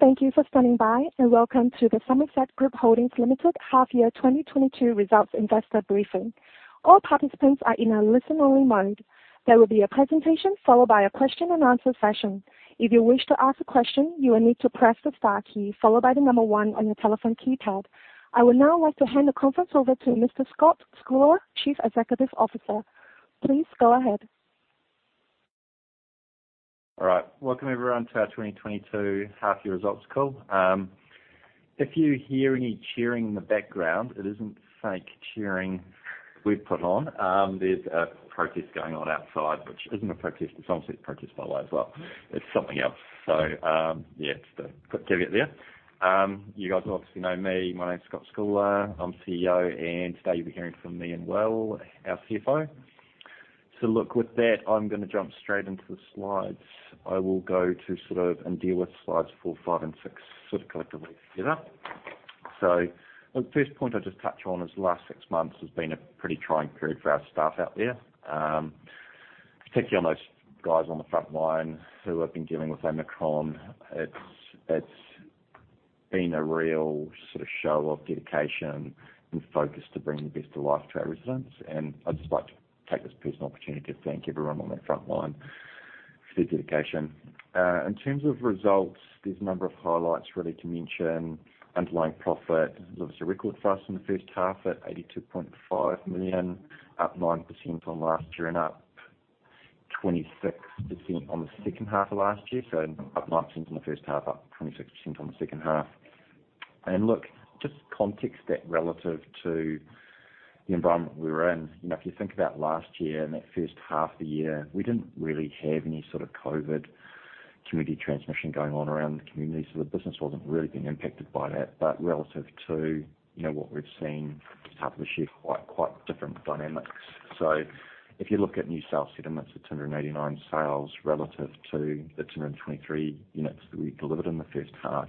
Thank you for standing by, and welcome to the Summerset Group Holdings Limited Half Year 2022 Results Investor Briefing. All participants are in a listen-only mode. There will be a presentation followed by a question-and-answer session. If you wish to ask a question, you will need to press the star key followed by the number one on your telephone keypad. I would now like to hand the conference over to Mr. Scott Scoullar, Chief Executive Officer. Please go ahead. All right. Welcome, everyone, to our 2022 half year results call. If you hear any cheering in the background, it isn't fake cheering we've put on. There's a protest going on outside, which isn't a protest. It's obviously a protest by the way as well. It's something else. Yeah, just a quick caveat there. You guys obviously know me. My name is Scott Scoullar. I'm CEO, and today, you'll be hearing from me and Will, our CFO. Look, with that, I'm gonna jump straight into the slides. I will go to sort of, and deal with slides four, five, and six sort of collectively together. The first point I'll just touch on is the last six months has been a pretty trying period for our staff out there, particularly on those guys on the front line who have been dealing with Omicron. It's been a real sort of show of dedication and focus to bring the best of life to our residents. I'd just like to take this personal opportunity to thank everyone on that front line for their dedication. In terms of results, there's a number of highlights really to mention. Underlying profit is obviously a record for us in the first half at 82.5 million, up 9% on last year and up 26% on the second half of last year. Up 9% on the first half, up 26% on the second half. Look, just context that relative to the environment we were in. You know, if you think about last year and that first half of the year, we didn't really have any sort of COVID community transmission going on around the community, so the business wasn't really being impacted by that. Relative to, you know, what we've seen this half of this year, quite different dynamics. If you look at new sales settlements of 289 sales relative to the 223 units that we delivered in the first half,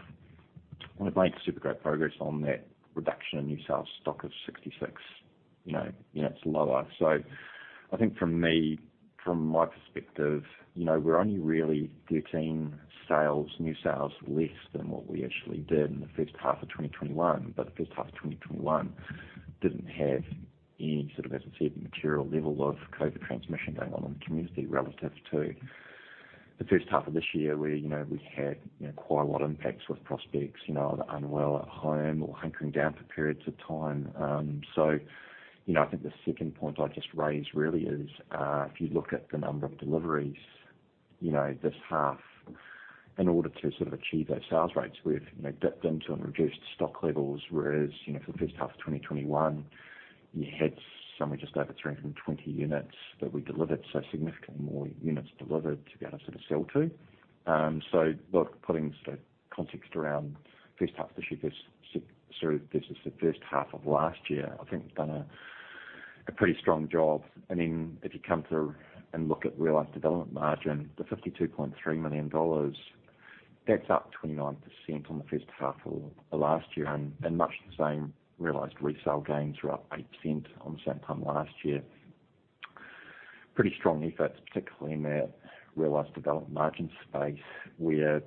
and we've made super great progress on that reduction in new sales stock of 66. You know, it's lower. I think from me, from my perspective, you know, we're only really 13 sales, new sales less than what we actually did in the first half of 2021. The first half of 2021 didn't have any sort of, as I said, material level of COVID transmission going on in the community relative to the first half of this year, where, you know, we had, you know, quite a lot of impacts with prospects, you know, are unwell at home or hunkering down for periods of time. So, you know, I think the second point I'd just raise really is, if you look at the number of deliveries, you know, this half in order to sort of achieve those sales rates, we've, you know, dipped into and reduced stock levels, whereas, you know, for the first half of 2021, you had somewhere just over 320 units that we delivered, so significantly more units delivered to be able to sort of sell to. Look, putting sort of context around first half of this year versus, sort of, the first half of last year, I think we've done a pretty strong job. If you come through and look at realized development margin, the 52.3 million dollars, that's up 29% on the first half of last year. Much the same realized resale gains were up 8% on the same time last year. Pretty strong efforts, particularly in that realized development margin space, where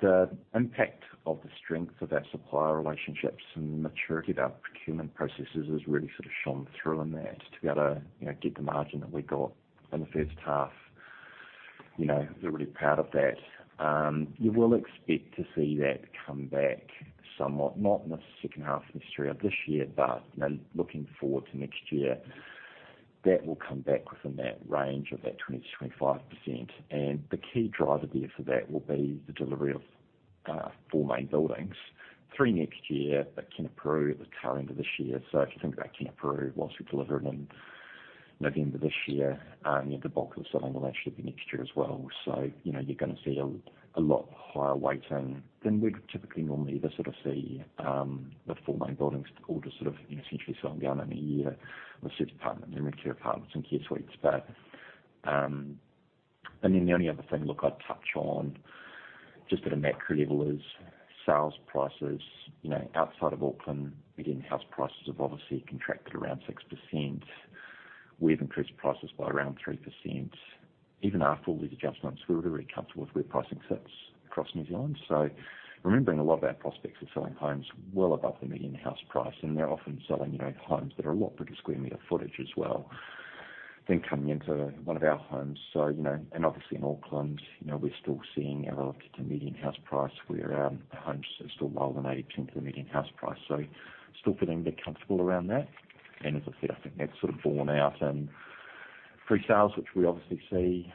the impact of the strength of our supplier relationships and the maturity of our procurement processes has really sort of shone through in that to be able to, you know, get the margin that we got in the first half. You know, we're really proud of that. You will expect to see that come back somewhat, not in the second half of this year, but, you know, looking forward to next year, that will come back within that range of that 20%-25%. The key driver there for that will be the delivery of four main buildings, three next year, but Kenepuru at the tail end of this year. If you think about Kenepuru, once we deliver it in November this year, the bulk of the selling will actually be next year as well. You know, you're gonna see a lot higher weighting than we'd typically normally ever sort of see, the four main buildings all just sort of, you know, essentially selling down in a year with assisted apartments and retirement apartments and care suites. and then the only other thing, look, I'd touch on just at a macro level is sales prices. You know, outside of Auckland, median house prices have obviously contracted around 6%. We've increased prices by around 3%. Even after all these adjustments, we were very comfortable with where pricing sits across New Zealand. Remembering a lot of our prospects are selling homes well above the median house price, and they're often selling, you know, homes that are a lot bigger square meter footage as well than coming into one of our homes. You know, and obviously in Auckland, you know, we're still seeing relative to median house price, where homes are still below the 90% of the median house price. Still feeling a bit comfortable around that. As I said, I think that's sort of borne out in pre-sales, which we obviously see,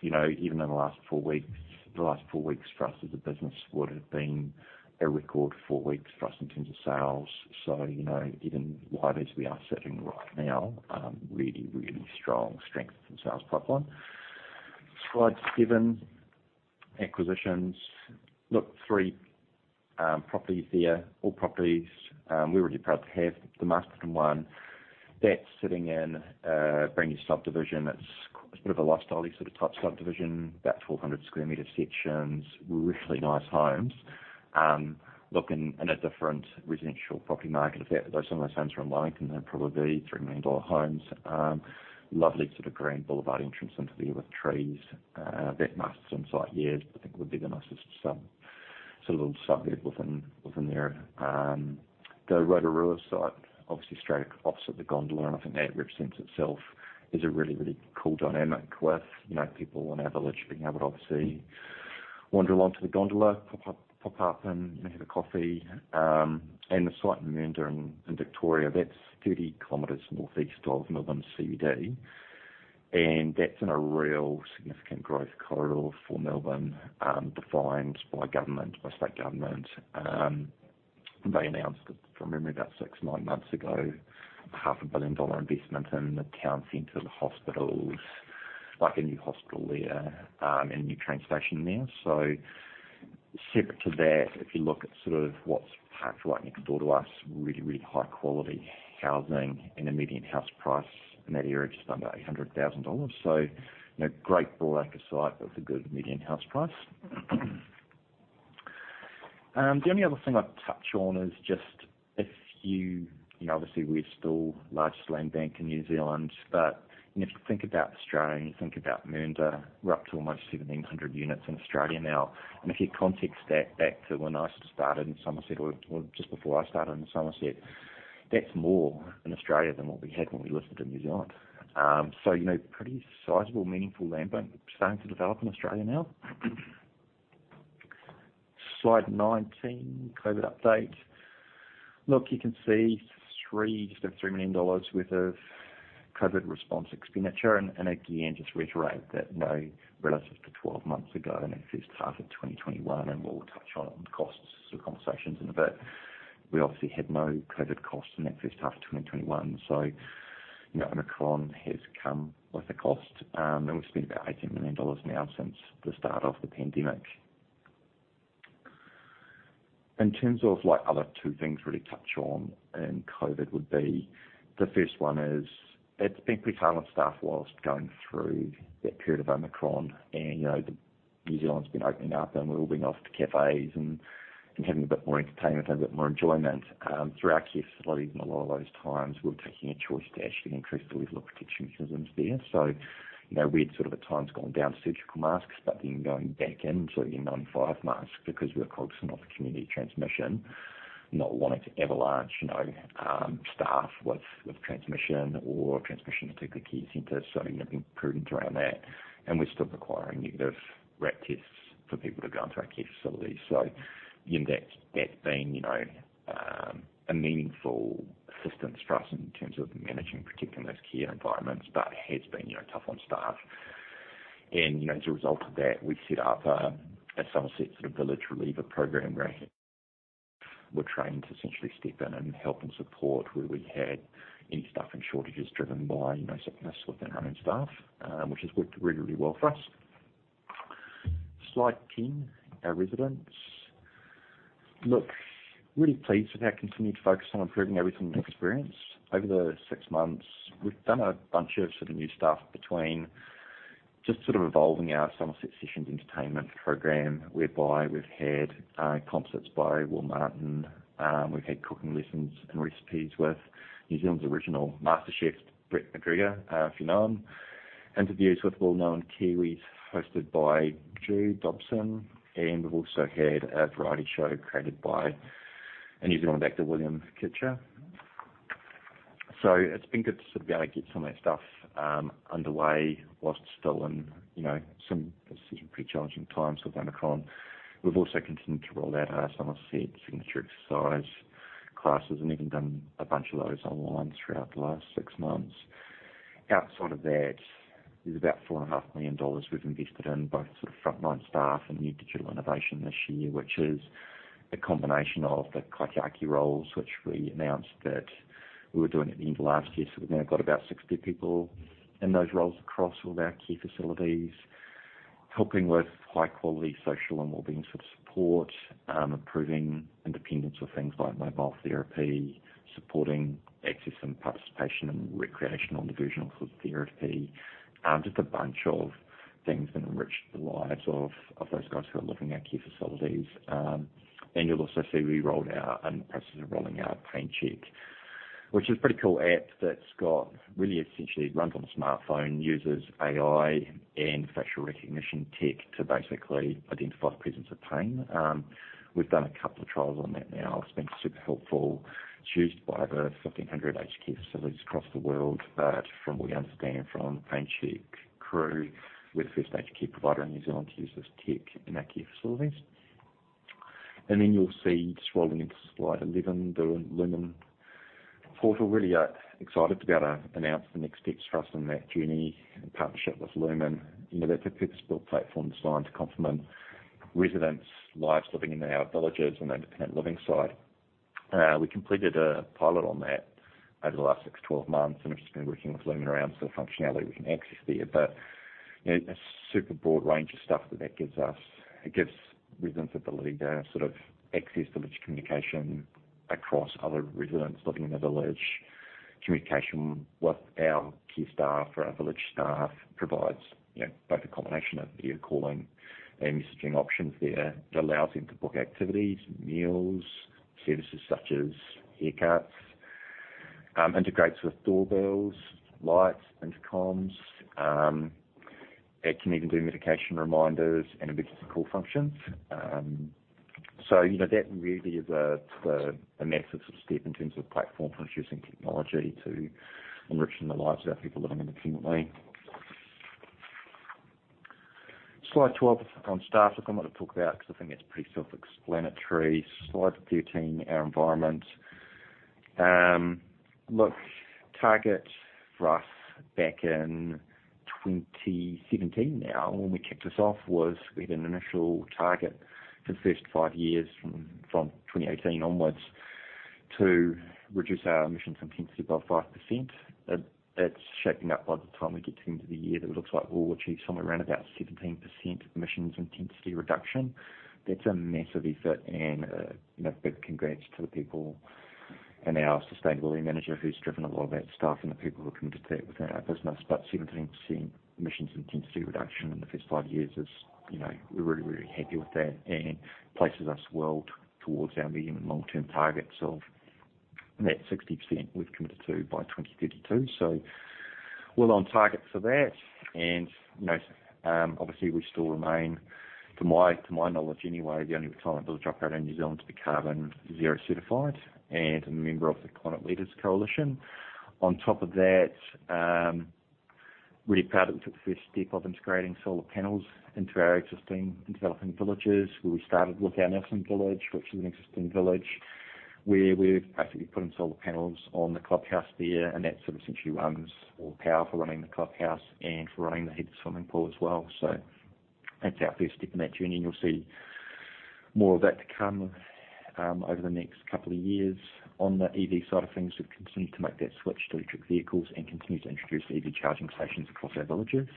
you know, even in the last four weeks. The last four weeks for us as a business would have been a record four weeks for us in terms of sales. You know, even live as we are sitting right now, really, really strong strength in sales pipeline. Slide seven, acquisitions. Look, three properties there. All properties, we're really proud to have. The Masterton one that's sitting in a brand new subdivision. It's a bit of a lifestyle-y sort of type subdivision, about 400 square meter sections, really nice homes. Look in a different residential property market. In fact, some of those homes are in Lincoln, they're probably 3 million dollar homes. Lovely sort of grand boulevard entrance into there with trees. We have the most on-site, yeah, I think it would be the nicest little suburb within there. The Rotorua site, obviously straight across at the Gondola, and I think that represents itself as a really cool dynamic with, you know, people in our village being able to obviously wander along to the Gondola, pop up and, you know, have a coffee. The site in Mernda in Victoria, that's 30 kilometers northeast of Melbourne CBD. That's in a real significant growth corridor for Melbourne, defined by government, by state government. They announced, if I remember about six to nine months ago, AUD half a billion dollar investment in the town center, the hospitals, like a new hospital there, and a new train station there. Separate to that, if you look at sort of what's parked right next door to us, really, really high quality housing and a median house price in that area, just under 800,000 dollars. You know, great broad acre site with a good median house price. The only other thing I'd touch on is just... You know, obviously, we're still largest land bank in New Zealand, but if you think about Australia and you think about Mernda, we're up to almost 1,700 units in Australia now. If you context that back to when I sort of started in Summerset or just before I started in Summerset, that's more in Australia than what we had when we listed in New Zealand. You know, pretty sizable, meaningful land bank starting to develop in Australia now. Slide 19, COVID update. Look, you can see 3, just over 3 million dollars worth of COVID response expenditure. Again, just to reiterate that, you know, relative to 12 months ago in that first half of 2021, and we'll touch on costs conversations in a bit. We obviously had no COVID costs in that first half of 2021. You know, Omicron has come with a cost. We've spent about 18 million dollars now since the start of the pandemic. In terms of like other two things really touch on in COVID would be, the first one is it's been pretty hard on staff while going through that period of Omicron. You know, New Zealand's been opening up and we're all going off to cafes and having a bit more entertainment, a bit more enjoyment. Through our care facilities and a lot of those times, we're taking a choice to actually increase the level of protection mechanisms there. You know, we'd sort of at times gone down to surgical masks, but then going back in to N95 masks because we're cognizant of community transmission, not wanting to avalanche staff with transmission or transmission into the care centers. You know, being prudent around that, and we're still requiring negative RAT tests for people to go into our care facilities. Again, that's been a meaningful assistance for us in terms of managing, protecting those care environments, but has been tough on staff. You know, as a result of that, we set up at Summerset sort of village reliever program where we're trained to essentially step in and help and support where we had any staffing shortages driven by, you know, sickness within our own staff, which has worked really well for us. Slide 10, our residents. Look, really pleased with our continued focus on improving our resident experience. Over the six months, we've done a bunch of sort of new stuff between just sort of evolving our Summerset Sessions entertainment program, whereby we've had concerts by Will Martin. We've had cooking lessons and recipes with New Zealand's original MasterChef, Brett McGregor, if you know him. Interviews with well-known Kiwis hosted by Andrew Dickens. And we've also had a variety show created by a New Zealand actor, William Kitcher. It's been good to sort of be able to get some of that stuff underway while still in, you know, some pretty challenging times with Omicron. We've also continued to roll out our Summerset signature exercise classes, and even done a bunch of those online throughout the last six months. Outside of that is about four and a half million dollars we've invested in both sort of frontline staff and new digital innovation this year. Which is a combination of the Kaitiaki roles which we announced that we were doing at the end of last year. We've now got about 60 people in those roles across all of our care facilities, helping with high quality social and wellbeing sort of support. Improving independence with things like mobile therapy, supporting access and participation in recreational and diversional sort of therapy. Just a bunch of things that enrich the lives of those guys who are living in our care facilities. You'll also see we rolled out and in the process of rolling out PainChek, which is a pretty cool app that's got really essentially runs on a smartphone, uses AI and facial recognition tech to basically identify presence of pain. We've done a couple of trials on that now. It's been super helpful. It's used by over 1,500 aged care facilities across the world. From what we understand from PainChek crew, we're the first aged care provider in New Zealand to use this tech in our care facilities. Then you'll see just rolling into slide 11, the Lumen portal. Really excited to be able to announce the next steps for us on that journey and partnership with Lumen. You know, that's a purpose-built platform designed to complement residents' lives living in our villages on the independent living side. We completed a pilot on that over the last six, 12 months, and we've just been working with Lumen around sort of functionality we can access there. You know, a super broad range of stuff that gives us. It gives residents ability to sort of access village communication across other residents living in the village, communication with our key staff or our village staff provides, you know, both a combination of video calling and messaging options there. It allows them to book activities, meals, services such as haircuts, integrates with doorbells, lights, intercoms, it can even do medication reminders and emergency call functions. You know, that really is a massive step in terms of platform for introducing technology to enriching the lives of our people living independently. Slide 12 on staff. Look, I'm not gonna talk about because I think it's pretty self-explanatory. Slide 13, our environment. Look, target for us back in 2017 now, when we kicked this off, was we had an initial target for the first five years from 2018 onwards to reduce our emissions intensity by 5%. It's shaping up by the time we get to the end of the year that it looks like we'll achieve somewhere around about 17% emissions intensity reduction. That's a massive effort and, you know, big congrats to the people and our sustainability manager who's driven a lot of that stuff and the people who committed to that within our business. 17% emissions intensity reduction in the first five years is, you know, we're really, really happy with that and places us well towards our medium and long-term targets of that 60% we've committed to by 2032. Well on target for that. You know, obviously, we still remain, to my knowledge anyway, the only retirement village operator in New Zealand to be carbon zero certified and a member of the Climate Leaders Coalition. On top of that, really proud that we took the first step of integrating solar panels into our existing and developing villages, where we started with our Nelson village, which is an existing village, where we've basically put in solar panels on the clubhouse there, and that sort of essentially runs all power for running the clubhouse and for running the heated swimming pool as well. That's our first step in that journey, and you'll see more of that to come over the next couple of years. On the EV side of things, we've continued to make that switch to electric vehicles and continue to introduce EV charging stations across our villages.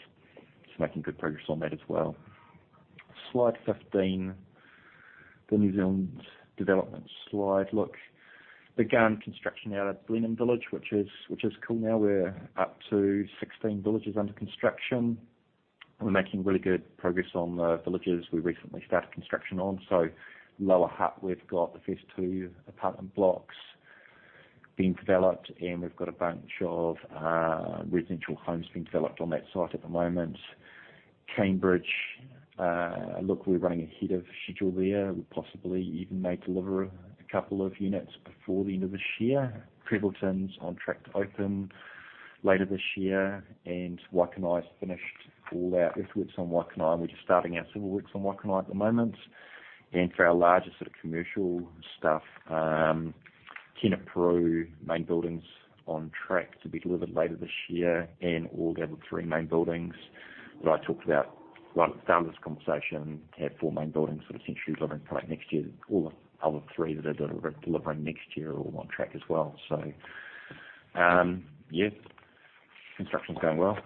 Making good progress on that as well. Slide 15, the New Zealand development slide. Began construction out at Blenheim Village, which is cool. Now we're up to 16 villages under construction. We're making really good progress on the villages we recently started construction on. Lower Hutt, we've got the first 2 apartment blocks being developed, and we've got a bunch of residential homes being developed on that site at the moment. Cambridge, we're running ahead of schedule there. We possibly even may deliver a couple of units before the end of this year. Prebbleton's on track to open later this year. Waikanae's finished all our earthworks on Waikanae, and we're just starting our civil works on Waikanae at the moment. For our larger sort of commercial stuff, Kenepuru main buildings on track to be delivered later this year and all the other three main buildings that I talked about right at the start of this conversation, we have four main buildings sort of centrally running probably next year. All the other three that are delivered on next year are all on track as well. Construction's going well.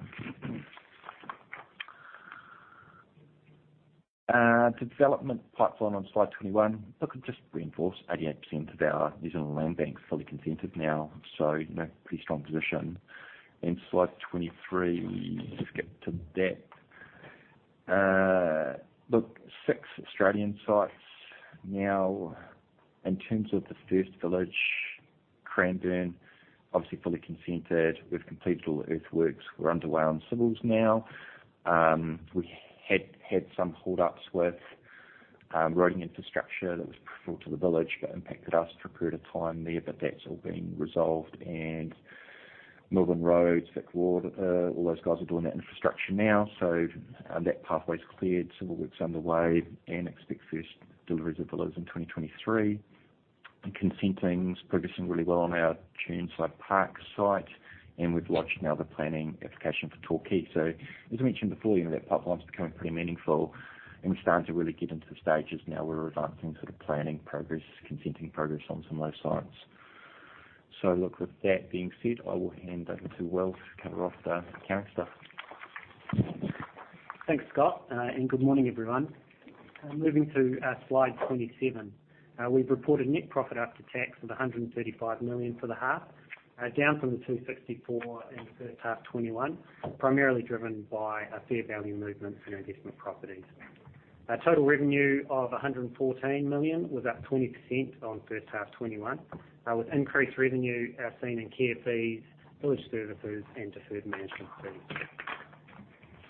The development pipeline on slide 21. Look, I'll just reinforce 88% of our New Zealand land bank is fully consented now, so, you know, pretty strong position. Slide 23, we just get to that. Look, six Australian sites now in terms of the first village, Cranbourne, obviously fully consented. We've completed all the earthworks. We're underway on civils now. We had some hold-ups with roading infrastructure that was provided to the village that impacted us for a period of time there, but that's all been resolved. Melbourne Roads, VicRoads, all those guys are doing that infrastructure now. That pathway's cleared, civil work's underway, and expect first deliveries of villages in 2023. Consenting's progressing really well on our Truganina site, and we've lodged now the planning application for Torquay. As I mentioned before, you know, that pipeline's becoming pretty meaningful, and we're starting to really get into the stages now where we're advancing sort of planning progress, consenting progress on some of those sites. Look, with that being said, I will hand over to Will to cover off the accounting stuff. Thanks, Scott, and good morning, everyone. Moving to slide 27. We've reported net profit after tax of 135 million for the half, down from the 264 in the first half 2021, primarily driven by fair value movements in our investment properties. Our total revenue of 114 million was up 20% on first half 2021, with increased revenue seen in care fees, village services, and deferred management fees.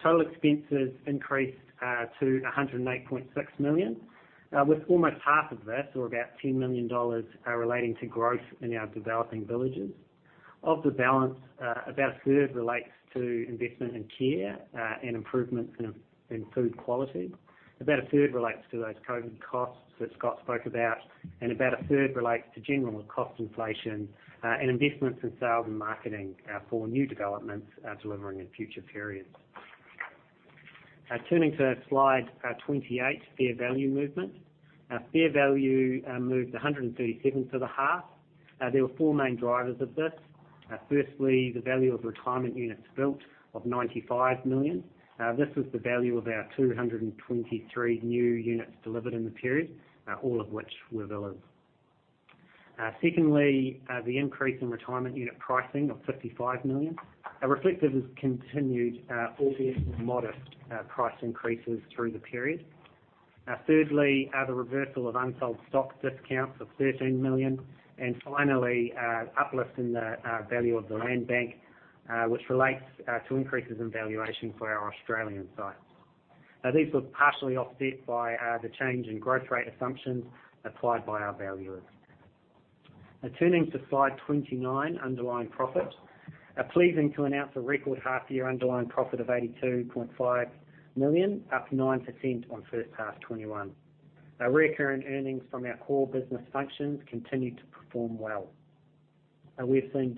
Total expenses increased to 108.6 million, with almost half of this, or about 10 million dollars, relating to growth in our developing villages. Of the balance, about a third relates to investment in care and improvements in food quality. About a third relates to those COVID costs that Scott spoke about, and about a third relates to general cost inflation, and investments in sales and marketing, for new developments, delivering in future periods. Turning to slide 28, fair value movement. Our fair value moved 137 for the half. There were four main drivers of this. Firstly, the value of retirement units built of 95 million. This is the value of our 223 new units delivered in the period, all of which were villages. Secondly, the increase in retirement unit pricing of 55 million, reflective of continued, albeit modest, price increases through the period. Thirdly, the reversal of unsold stock discounts of 13 million. Finally, uplift in the value of the land bank, which relates to increases in valuation for our Australian sites. These were partially offset by the change in growth rate assumptions applied by our valuers. Turning to slide 29, underlying profit. Pleased to announce a record half-year underlying profit of 82.5 million, up 9% on first half 2021. Our recurring earnings from our core business functions continued to perform well. We've seen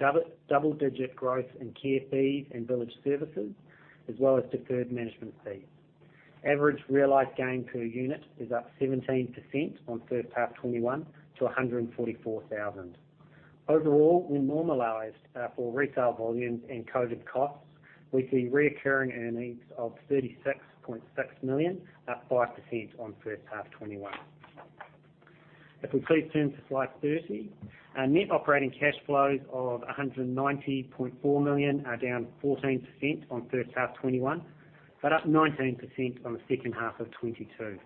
double-digit growth in care fees and village services, as well as deferred management fees. Average realized gain per unit is up 17% on first half 2021 to NZD 144,000. Overall, when normalized for resale volumes and COVID costs, we see recurring earnings of 36.6 million, up 5% on first half 2021. If we please turn to slide 30. Our net operating cash flows of 190.4 million are down 14% on first half 2021, but up 19% on the second half of 2022.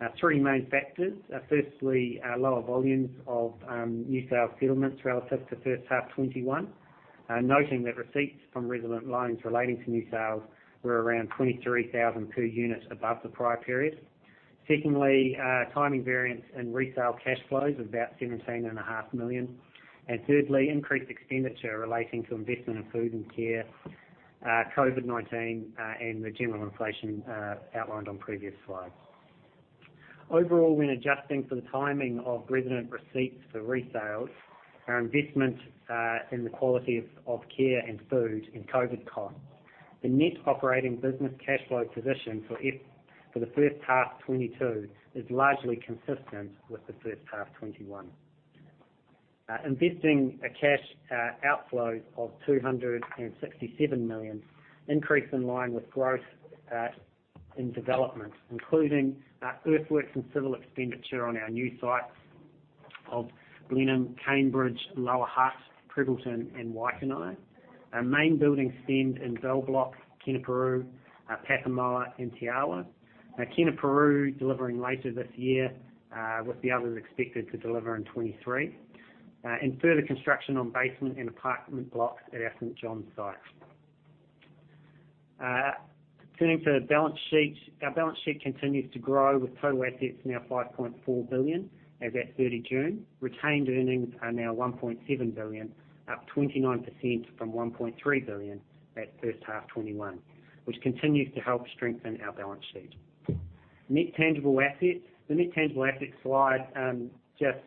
Now, three main factors. Firstly, lower volumes of new sales settlements relative to first half 2021. Noting that receipts from resident loans relating to new sales were around 23,000 per unit above the prior period. Secondly, timing variance in resale cash flows of about 17.5 million. Thirdly, increased expenditure relating to investment in food and care, COVID-19 and the general inflation outlined on previous slides. Overall, when adjusting for the timing of resident receipts for resales, our investment in the quality of care and food and COVID costs, the net operating business cash flow position for the first half 2022 is largely consistent with the first half 2021. Investing cash outflow of 267 million, increase in line with growth in development, including earthworks and civil expenditure on our new sites of Blenheim, Cambridge, Lower Hutt, Prebbleton and Waikanae. Our main building spend in Bell Block, Kenepuru, Papanui and Te Awamutu. Kenepuru delivering later this year, with the others expected to deliver in 2023. Further construction on basement and apartment blocks at our St. John's site. Turning to the balance sheet. Our balance sheet continues to grow, with total assets now 5.4 billion as at 30 June. Retained earnings are now 1.7 billion, up 29% from 1.3 billion at first half 2021, which continues to help strengthen our balance sheet. Net tangible assets. The net tangible assets slide just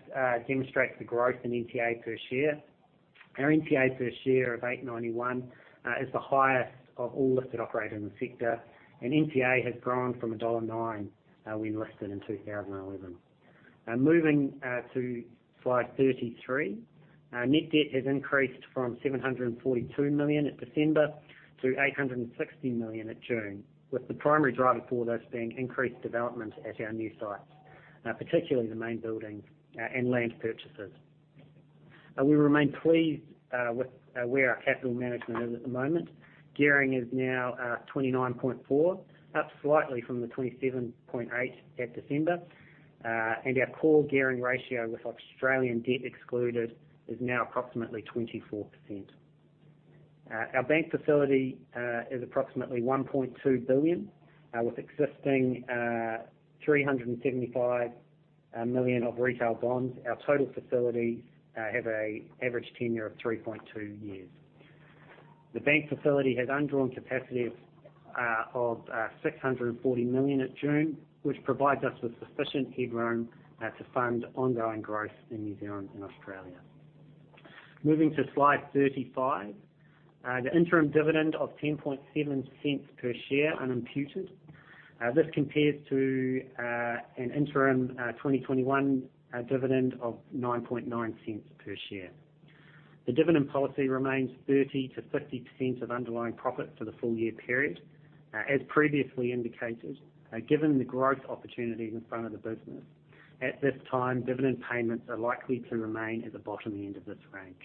demonstrates the growth in NTA per share. Our NTA per share of 891 is the highest of all listed operators in the sector, and NTA has grown from dollar 1.09 when we listed in 2011. Now moving to slide 33. Our net debt has increased from 742 million at December to 860 million at June, with the primary driver for this being increased development at our new sites, particularly the main buildings and land purchases. We remain pleased with where our capital management is at the moment. Gearing is now 29.4%, up slightly from the 27.8% at December. Our core gearing ratio with Australian debt excluded is now approximately 24%. Our bank facility is approximately 1.2 billion with existing 375 million of retail bonds. Our total facilities have an average tenure of 3.2 years. The bank facility has undrawn capacity of 640 million at June, which provides us with sufficient headroom to fund ongoing growth in New Zealand and Australia. Moving to slide 35. The interim dividend of 0.107 per share unimputed. This compares to an interim 2021 dividend of 0.099 per share. The dividend policy remains 30%-50% of underlying profit for the full-year period. As previously indicated, given the growth opportunities in front of the business, at this time, dividend payments are likely to remain at the bottom end of this range.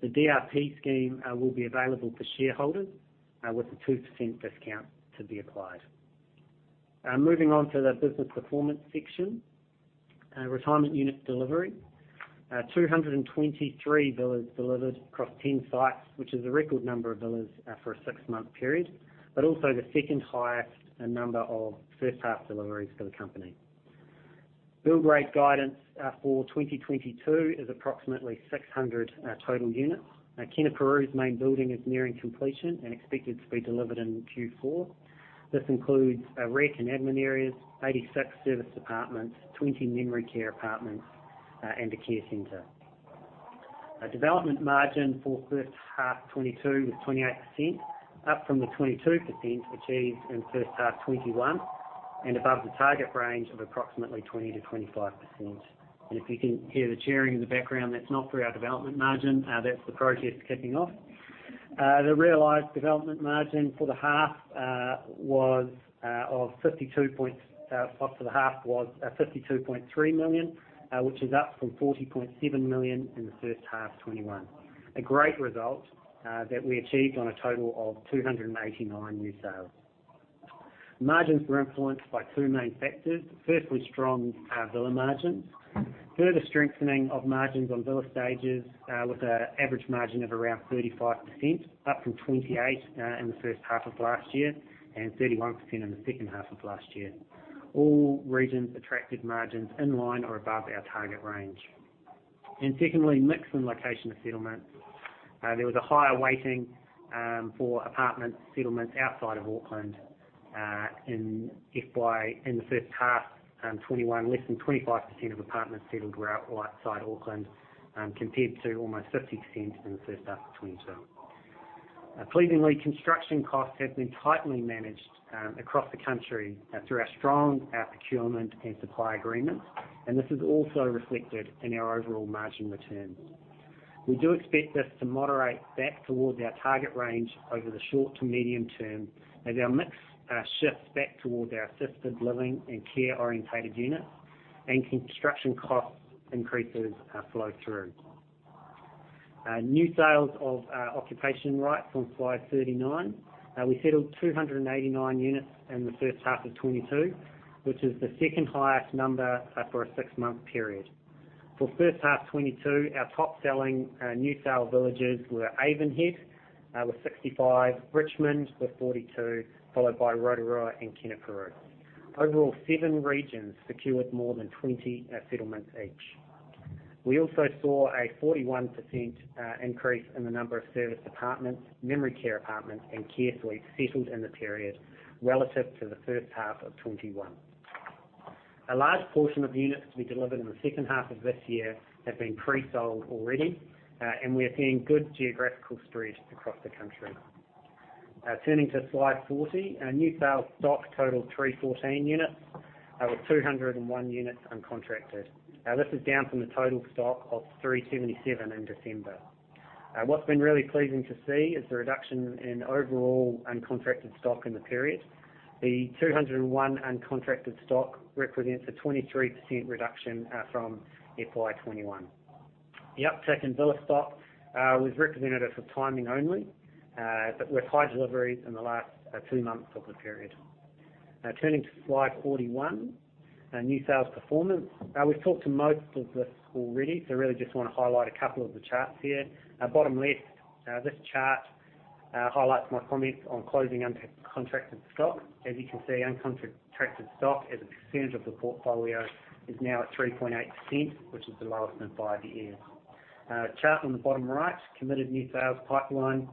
The DRP scheme will be available for shareholders with a 2% discount to be applied. Moving on to the business performance section. Retirement unit delivery. 223 villas delivered across 10 sites, which is a record number of villas for a six-month period, but also the second highest number of first half deliveries for the company. Build rate guidance for 2022 is approximately 600 total units. Kenepuru's main building is nearing completion and expected to be delivered in Q4. This includes rec and admin areas, 86 serviced apartments, 20 memory care apartments, and a care center. A development margin for first half 2022 was 28%, up from the 22% achieved in first half 2021, and above the target range of approximately 20%-25%. If you can hear the cheering in the background, that's not for our development margin, that's the protests kicking off. The realized development margin for the half was 52.3 million, which is up from 40.7 million in the first half 2021. A great result that we achieved on a total of 289 new sales. Margins were influenced by two main factors. Firstly, strong villa margins. Further strengthening of margins on villa sales with an average margin of around 35% up from 28% in the first half of last year and 31% in the second half of last year. All regions achieved margins in line or above our target range. Secondly, mix and location of settlements. There was a higher weighting for apartment settlements outside of Auckland in FY in the first half 2021 less than 25% of apartments settled were outside Auckland compared to almost 50% in the first half of 2022. Pleasingly, construction costs have been tightly managed across the country through our strong procurement and supply agreements, and this is also reflected in our overall margin returns. We do expect this to moderate back towards our target range over the short to medium term as our mix shifts back towards our assisted living and care-oriented units and construction cost increases flow through. New sales of occupation rights on slide 39. We settled 289 units in the first half of 2022, which is the second highest number for a six-month period. For first half 2022, our top-selling new sale villages were Avonhead with 65, Richmond with 42, followed by Rotorua and Kenepuru. Overall, seven regions secured more than 20 settlements each. We also saw a 41% increase in the number of serviced apartments, memory care apartments, and care suites settled in the period relative to the first half of 2021. A large portion of units to be delivered in the second half of this year have been pre-sold already, and we're seeing good geographical spread across the country. Turning to slide 40. Our new sales stock totaled 314 units out of 201 units uncontracted. This is down from the total stock of 377 in December. What's been really pleasing to see is the reduction in overall uncontracted stock in the period. The 201 uncontracted stock represents a 23% reduction from FY 2021. The uptick in villa stock was representative of timing only, but with high deliveries in the last two months of the period. Turning to slide 41. New sales performance. We've talked to most of this already, so I really just wanna highlight a couple of the charts here. Bottom left, this chart highlights my comments on closing uncontracted stock. As you can see, uncontracted stock as a percentage of the portfolio is now at 3.8%, which is the lowest in five years. Chart on the bottom right, committed new sales pipeline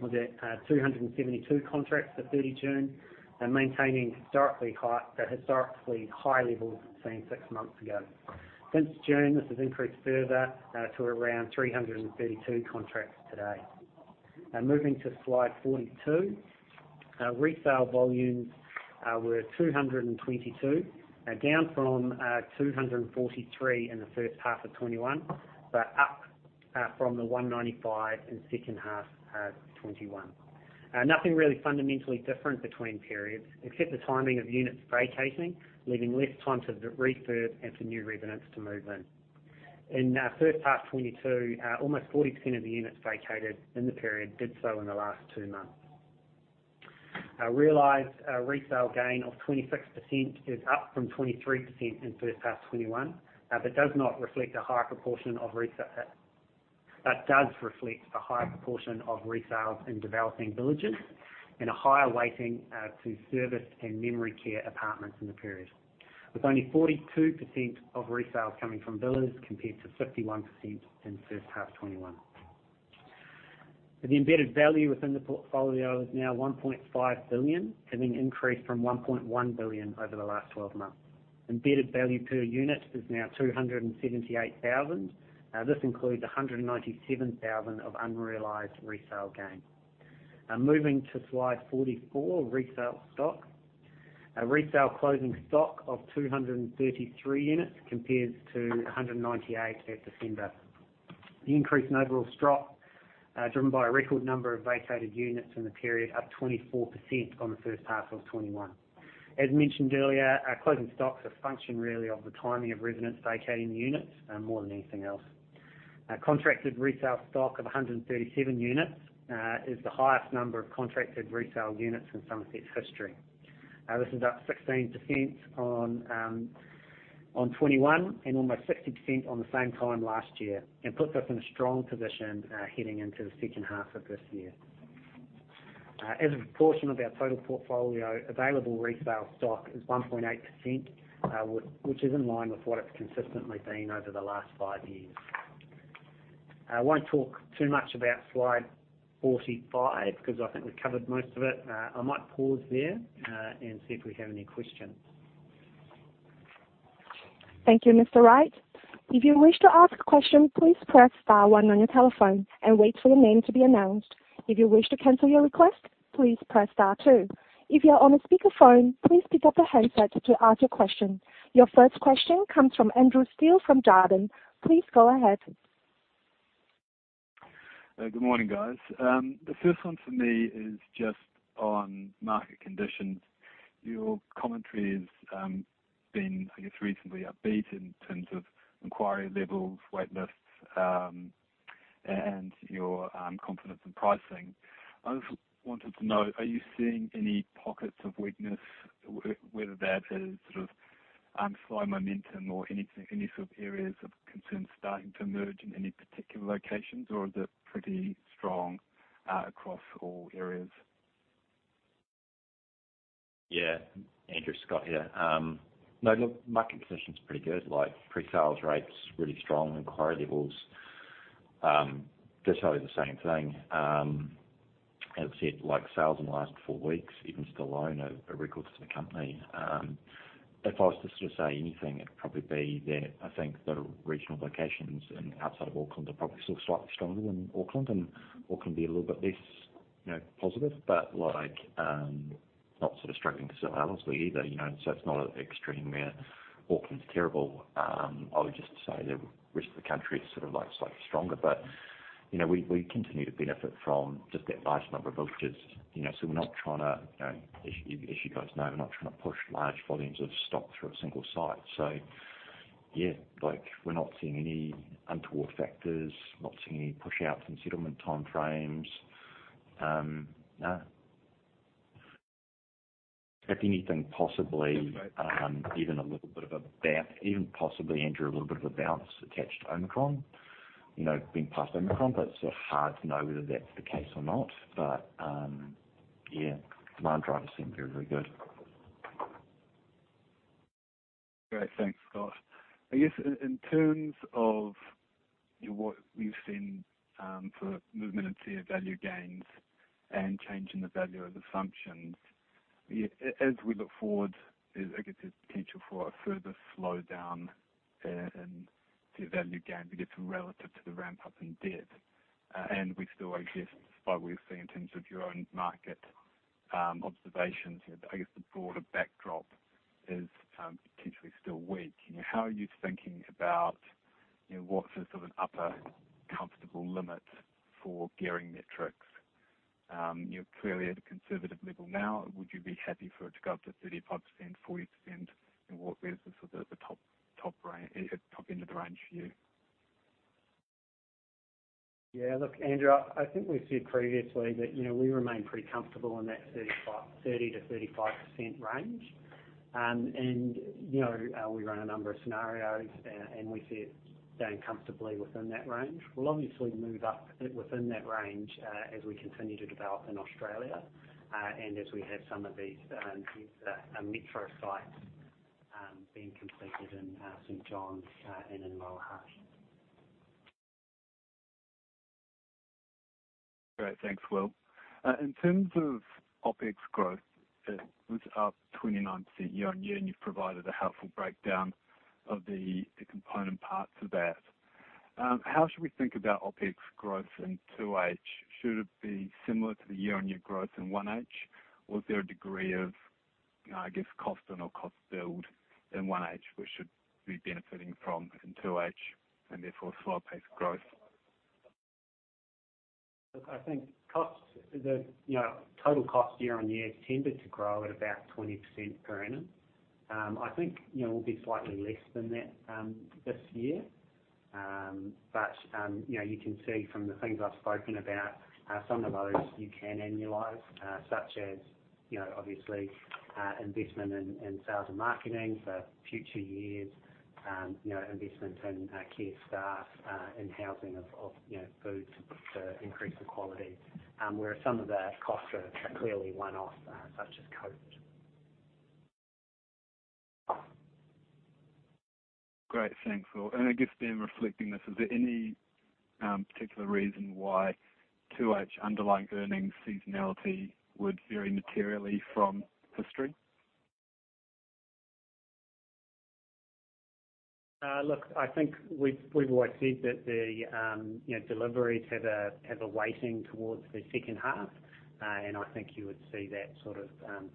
was at 272 contracts for 30 June, maintaining historically high levels seen six months ago. Since June, this has increased further to around 332 contracts to date. Moving to slide 42. Resale volumes were 222, down from 243 in the first half of 2021, but up from the 195 in second half of 2021. Nothing really fundamentally different between periods except the timing of units vacating, leaving less time to refurb and for new residents to move in. In first half 2022, almost 40% of the units vacated in the period did so in the last two months. Our realized resale gain of 26% is up from 23% in first half 2021, but does reflect a higher proportion of resales in developing villages and a higher weighting to serviced and memory care apartments in the period, with only 42% of resales coming from villas compared to 51% in first half 2021. The embedded value within the portfolio is now 1.5 billion, having increased from 1.1 billion over the last twelve months. Embedded value per unit is now 278 thousand. This includes 197 thousand of unrealized resale gain. Moving to slide 44, resale stock. A resale closing stock of 233 units compares to 198 at December. The increase in overall stock, driven by a record number of vacated units in the period, up 24% on the first half of 2021. As mentioned earlier, our closing stock is a function really of the timing of residents vacating the units, more than anything else. Our contracted resale stock of 137 units is the highest number of contracted resale units in Summerset's history. This is up 16% on 2021 and almost 60% on the same time last year and puts us in a strong position heading into the second half of this year. As a proportion of our total portfolio, available resale stock is 1.8%, which is in line with what it's consistently been over the last five years. I won't talk too much about slide 45 because I think we've covered most of it. I might pause there and see if we have any questions. Thank you, Mr. Wright. If you wish to ask a question, please press star one on your telephone and wait for your name to be announced. If you wish to cancel your request, please press star two. If you are on a speakerphone, please pick up the handset to ask your question. Your first question comes from Andrew Steele from Jarden. Please go ahead. Good morning, guys. The first one for me is just on market conditions. Your commentary has been, I guess, recently upbeat in terms of inquiry levels, wait lists, and your confidence in pricing. I just wanted to know, are you seeing any pockets of weakness, whether that is sort of slow momentum or any sort of areas of concern starting to emerge in any particular locations? Or is it pretty strong across all areas? Yeah. Andrew, Scott Scoullar here. No, the market position's pretty good. Like, pre-sales rates really strong. Inquiry levels, they're showing the same thing. As I said, like, sales in the last four weeks even still on a record for the company. If I was to sort of say anything, it'd probably be that I think the regional locations and outside of Auckland are probably still slightly stronger than Auckland and Auckland being a little bit less, you know, positive. Like, not sort of struggling to sell houses either, you know. It's not an extreme where Auckland's terrible. I would just say the rest of the country is sort of, like, slightly stronger. You know, we continue to benefit from just that large number of villages, you know. We're not trying to, you know, as you guys know, we're not trying to push large volumes of stock through a single site. Yeah, like, we're not seeing any untoward factors. Not seeing any push outs in settlement timeframes. No. If anything, possibly, even a little bit of a bounce, possibly, Andrew, attached to Omicron. You know, being past Omicron, but it's sort of hard to know whether that's the case or not. Yeah, demand drivers seem very, very good. Great. Thanks, Scott. I guess in terms of, you know, what you've seen, for movement in share value gains and change in the value of assumptions, yeah, as we look forward, there's, I guess, a potential for a further slowdown, in share value gains, I guess, relative to the ramp up in debt. We still, I guess, despite what we've seen in terms of your own market, observations, you know, I guess the broader backdrop is, potentially still weak. You know, how are you thinking about, you know, what's a sort of upper comfortable limit for gearing metrics? You're clearly at a conservative level now. Would you be happy for it to go up to 35%, 40%? What is the sort of the top end of the range for you? Yeah. Look, Andrew, I think we said previously that, you know, we remain pretty comfortable in that 30%-35% range. You know, we run a number of scenarios and we see it staying comfortably within that range. We'll obviously move up within that range, as we continue to develop in Australia, and as we have some of these metro sites being completed in St. John's and in Lower Hutt. Great. Thanks, Will. In terms of OpEx growth, it was up 29% year-on-year, and you've provided a helpful breakdown of the component parts of that. How should we think about OpEx growth in 2H? Should it be similar to the year-on-year growth in 1H? Or is there a degree of, I guess, cost in or cost build in 1H we should be benefiting from in 2H, and therefore slower pace of growth? Look, I think the total cost year-on-year tended to grow at about 20% per annum. I think we'll be slightly less than that this year. You know, you can see from the things I've spoken about, some of those you can annualize, such as, you know, obviously, investment in sales and marketing for future years, you know, investment in key staff, and sourcing of food to increase the quality. Whereas some of the costs are clearly one-off, such as COVID. Great. Thanks, Will. I guess then reflecting this, is there any particular reason why 2H underlying earnings seasonality would vary materially from history? Look, I think we've always said that the you know, deliveries have a weighting towards the second half. I think you would see that sort of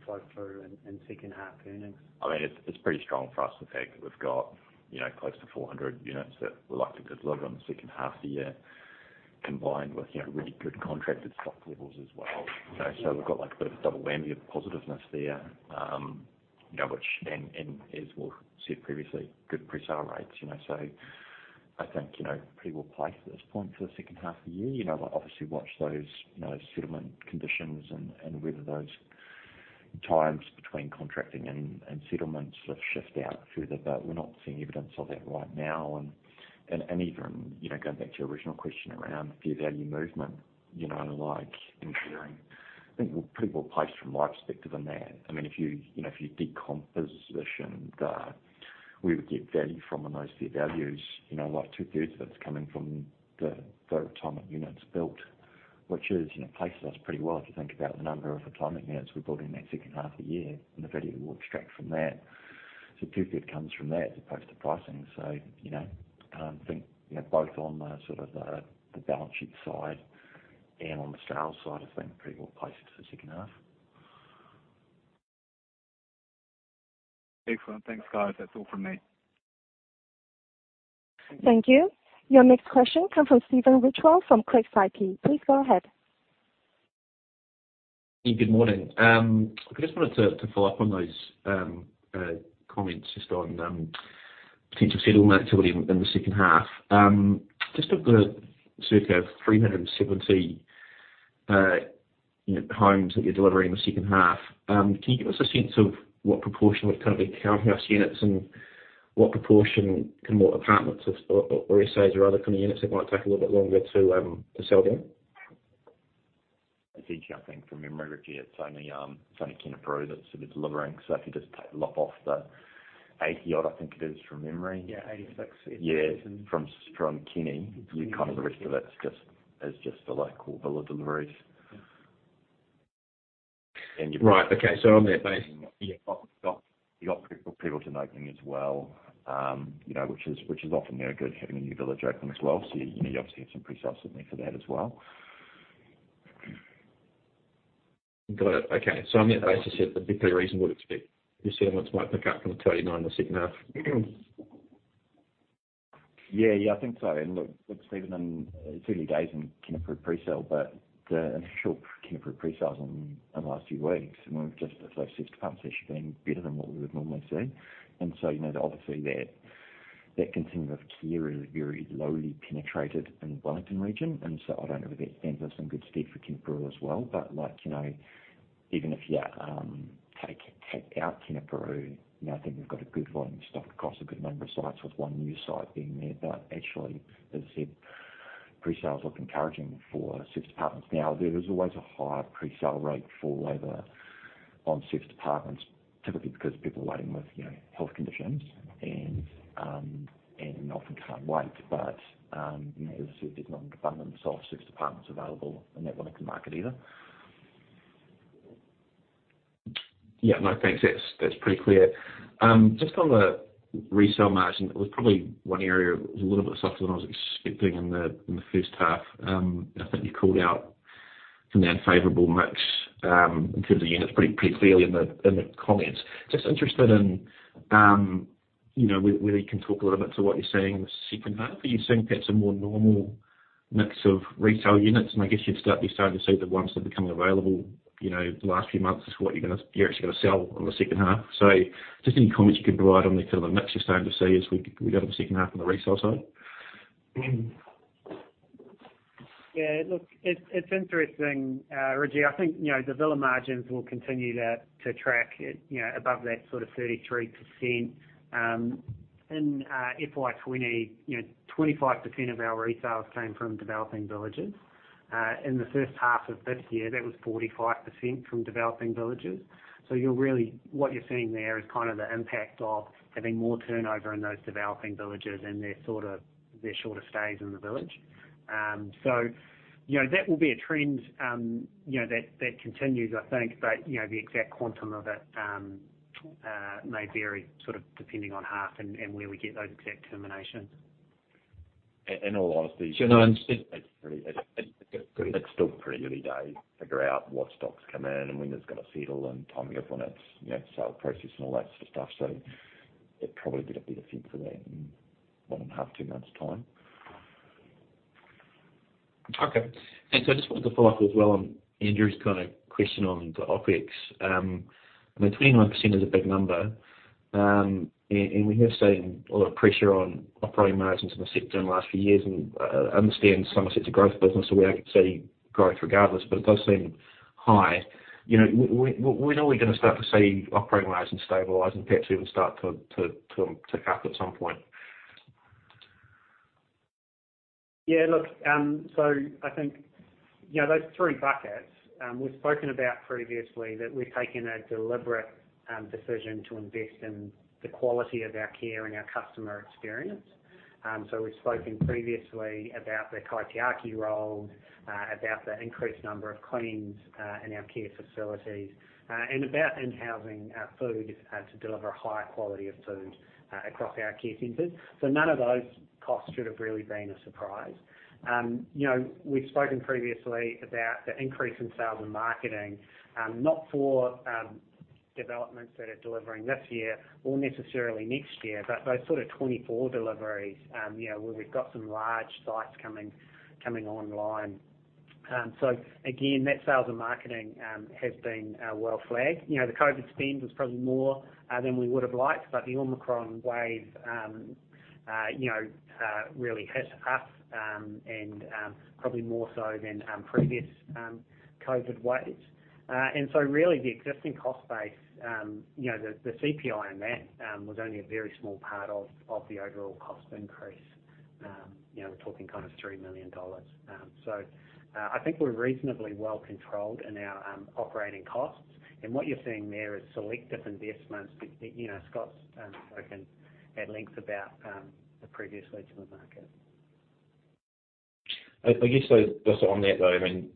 flow through in second half earnings. I mean, it's pretty strong for us, the fact that we've got, you know, close to 400 units that we're likely to deliver on the second half of the year, combined with, you know, really good contracted stock levels as well. You know, so we've got, like, a bit of a double whammy of positiveness there. You know, which, as Will said previously, good pre-sale rates, you know. I think, you know, pretty well placed at this point for the second half of the year. You know, we'll obviously watch those, you know, settlement conditions and whether those times between contracting and settlement sort of shift out further, but we're not seeing evidence of that right now. even, you know, going back to your original question around fair value movement, you know, like in gearing, I think we're pretty well placed from my perspective on that. I mean, if you know, if you decompose the position, where we get value from on those fair values, you know, like two-thirds of it's coming from the retirement units built, which is, you know, places us pretty well if you think about the number of retirement units we've built in that second half of the year and the value we'll extract from that. Two-thirds comes from that as opposed to pricing. You know, both on the sort of the balance sheet side and on the sales side, I think pretty well placed for the second half. Excellent. Thanks, guys. That's all from me. Thank you. Your next question comes from Stephen Ridgewell from Craigs Investment Partners. Please go ahead. Good morning. I just wanted to follow up on those comments just on potential settlement activity in the second half. Just of the circa 370 homes that you're delivering in the second half, can you give us a sense of what proportion would kind of be townhouse units and what proportion could be more apartments or SAs or other kind of units it might take a little bit longer to sell down? I think from memory, Richie, it's only Kenepuru that's sort of delivering. If you just lop off the 80-odd, I think it is from memory. Yeah, 86. Yeah. From Kenepuru, you know, the rest of it is just the local villa deliveries. Right. Okay. You got people to an opening as well, you know, which is often, you know, good having a new village open as well. You know, you obviously have some pre-sales sitting there for that as well. Got it. Okay. On that basis, yeah, the big reason would expect your settlements might pick up from the 39 the second half. Yeah. Yeah, I think so. Look, Stephen, it's early days in Kenepuru pre-sale, but the initial Kenepuru pre-sale is in the last few weeks, and we've just those serviced apartments actually been better than what we would normally see. You know, obviously that continuum of care is very low penetration in Wellington region. I don't know whether that stands us in good stead for Kenepuru as well. Like, you know, even if you take out Kenepuru, you know, I think we've got a good volume of stock across a good number of sites with one new site being there. Actually, as I said, pre-sales look encouraging for serviced apartments. Now, there is always a higher pre-sale rate for villas and serviced apartments, typically because people are waiting with, you know, health conditions and often can't wait. You know, as I said, there's not an abundance of serviced apartments available in that Wellington market either. Yeah. No, thanks. That's pretty clear. Just on the resale margin, it was probably one area that was a little bit softer than I was expecting in the first half. I think you called out some of the unfavorable mix in terms of units pretty clearly in the comments. Just interested in, you know, whether you can talk a little bit to what you're seeing in the second half. Are you seeing perhaps a more normal mix of resale units? I guess you'd be starting to see the ones that are becoming available, you know, the last few months is what you're actually gonna sell in the second half. Just any comments you could provide on the kind of mix you're starting to see as we go to the second half on the resale side. Yeah. Look, it's interesting, Stephen Ridgewell. I think, you know, the villa margins will continue to track, you know, above that sort of 33% in FY 2020. You know, 25% of our resales came from developing villages. In the first half of this year, that was 45% from developing villages. What you're seeing there is kind of the impact of having more turnover in those developing villages and their shorter stays in the village. You know, that will be a trend, you know, that continues, I think. You know, the exact quantum of it may vary sort of depending on half and where we get those exact terminations. In all honesty. No, I under- It's still pretty early days to figure out what stocks come in and when it's gonna settle and timing of when it's, you know, sale process and all that sort of stuff. You'd probably get a better feel for that in 1.5, two months' time. Okay. I just wanted to follow up as well on Andrew's kind of question on the OpEx. I mean, 29% is a big number. We have seen a lot of pressure on operating margins in the sector in the last few years. I understand Summerset is a growth business, so we are seeing growth regardless, but it does seem high. You know, when are we gonna start to see operating margins stabilize and perhaps even start to cap at some point? Yeah. Look, I think, you know, those three buckets, we've spoken about previously that we've taken a deliberate decision to invest in the quality of our care and our customer experience. We've spoken previously about the Kaitiaki role, about the increased number of cleans, in our care facilities, and about in-housing our food, to deliver a higher quality of food, across our care centers. None of those costs should have really been a surprise. You know, we've spoken previously about the increase in sales and marketing, not for developments that are delivering this year or necessarily next year. But those sort of 2024 deliveries, you know, where we've got some large sites coming online. Again, net sales and marketing has been well flagged. You know, the COVID spend was probably more than we would have liked, but the Omicron wave you know really hit us, and probably more so than previous COVID waves. Really the existing cost base you know the CPI on that was only a very small part of the overall cost increase. You know, we're talking kind of 3 million dollars. I think we're reasonably well controlled in our operating costs. What you're seeing there is selective investments that you know Scott Scoullar's spoken at length about the previous leads in the market. I guess so. Just on that though, I mean,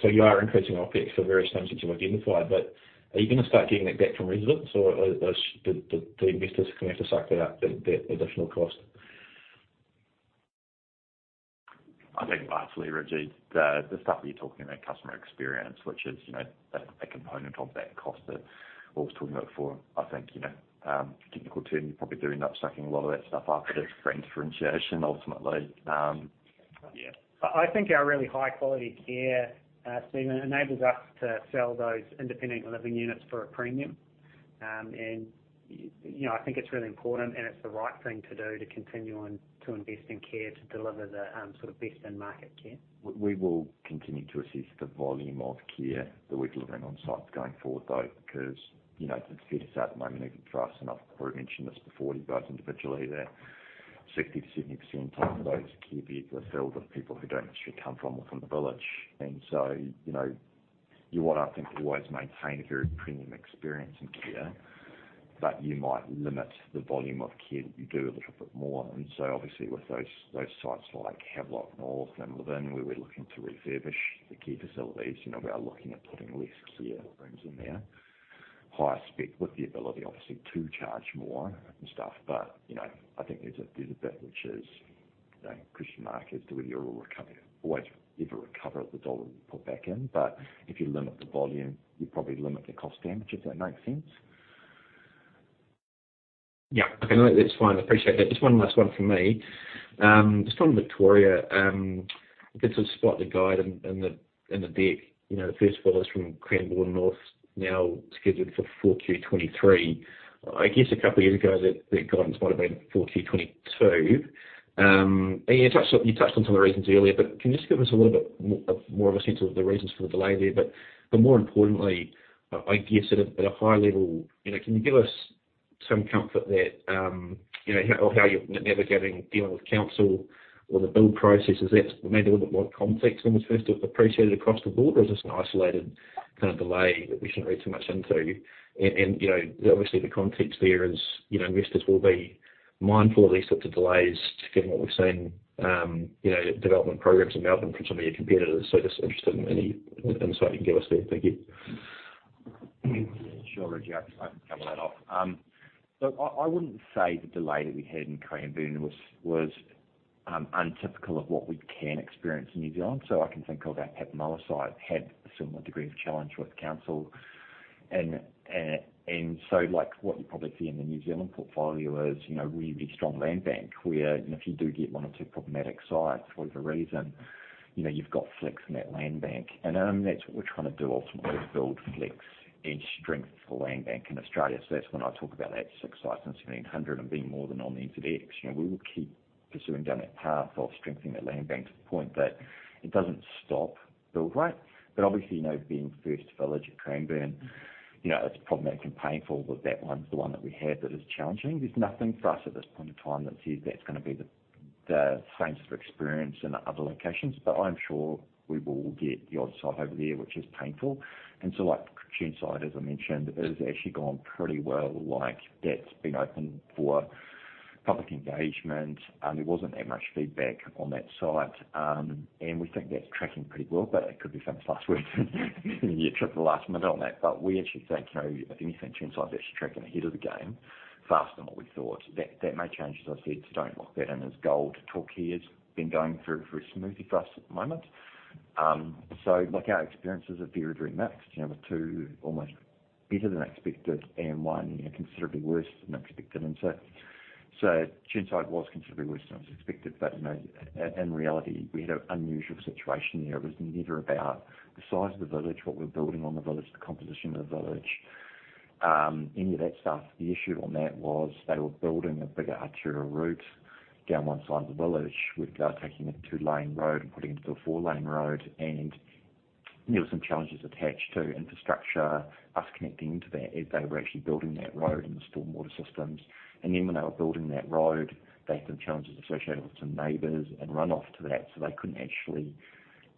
so you are increasing OpEx for various things that you've identified, but are you gonna start getting that back from residents, or the investors are gonna have to suck that up, the additional cost? Largely, Stephen Ridgewell, the stuff that you're talking about, customer experience, which is, you know, a component of that cost that I was talking about before. I think, you know, technically, you probably do end up sucking a lot of that stuff up, but it's for differentiation ultimately. Yeah. I think our really high-quality care, Stephen, enables us to sell those independent living units for a premium. You know, I think it's really important, and it's the right thing to do to continue on to invest in care to deliver the sort of best-in-market care. We will continue to assess the volume of care that we're delivering on sites going forward, though, because, you know, to set this out at the moment, even for us, and I've probably mentioned this before to you both individually, that 60%-70% of those care beds are filled with people who don't actually come from the village. You know, you want to, I think, always maintain a very premium experience in care, but you might limit the volume of care that you do a little bit more. Obviously with those sites like Havelock North and Inglewood where we're looking to refurbish the care facilities, you know, we are looking at putting less care rooms in there. Higher spec with the ability obviously to charge more and stuff. You know, I think there's a bit which is a question mark as to whether you'll always ever recover the dollar you put back in. If you limit the volume, you probably limit the cost damage. Does that make sense? Yeah. Okay. No, that's fine. Appreciate that. Just one last one from me. Just on Victoria, I guess I've spotted the guidance in the deck. You know, the first village in Cranbourne North now scheduled for 4Q 2023. I guess a couple of years ago, that guidance might have been 4Q 2022. You touched on some of the reasons earlier, but can you just give us a little bit more of a sense of the reasons for the delay there? More importantly, I guess at a high level, you know, can you give us some comfort that, you know, how you're navigating dealing with council or the build process? Is that maybe a little bit more complex than was first appreciated across the board, or is this an isolated kind of delay that we shouldn't read too much into? You know, obviously the context there is, you know, investors will be mindful of these sorts of delays given what we've seen, development programs in Melbourne from some of your competitors. Just interested in any insight you can give us there. Thank you. Sure, Stephen Ridgewell. I'd be happy to cover that off. Look, I wouldn't say the delay that we had in Cranbourne was untypical of what we can experience in New Zealand. I can think of our Papamoa site had a similar degree of challenge with council. Like what you probably see in the New Zealand portfolio is, you know, a really big, strong land bank, where even if you do get one or two problematic sites for whatever reason, you know, you've got flex in that land bank. That's what we're trying to do ultimately, is build flex and strength for land bank in Australia. That's when I talk about that six sites and 1,700 being more than on the exit X. [more than omni-today] You know, we will keep pursuing down that path of strengthening that land bank to the point that it doesn't stop build rate. But obviously, you know, being first village at Cranbourne, you know, it's problematic and painful that that one's the one that we have that is challenging. There's nothing for us at this point in time that says that's gonna be the same sort of experience in the other locations, but I'm sure we will get the odd site over there, which is painful. Like the Christchurch site, as I mentioned, it has actually gone pretty well. Like that's been open for public engagement. There wasn't that much feedback on that site. And we think that's tracking pretty well, but it could be famous last words. You trip at the last minute on that. We actually think, you know, if anything, Christchurch is actually tracking ahead of the game faster than what we thought. That may change, as I said, so don't lock that in as gold. Torquay has been going very, very smoothly for us at the moment. Our experiences are very, very mixed. You know, with two almost better than expected and one, you know, considerably worse than expected. Chchide was considerably worse than was expected. You know, in reality, we had an unusual situation there. It was never about the size of the village, what we're building on the village, the composition of the village, any of that stuff. The issue on that was they were building a bigger arterial route down one side of the village. We're taking a two-lane road and putting it into a four-lane road. There were some challenges attached to infrastructure, us connecting to that as they were actually building that road and the stormwater systems. When they were building that road, they had some challenges associated with some neighbors and runoff to that, so they couldn't actually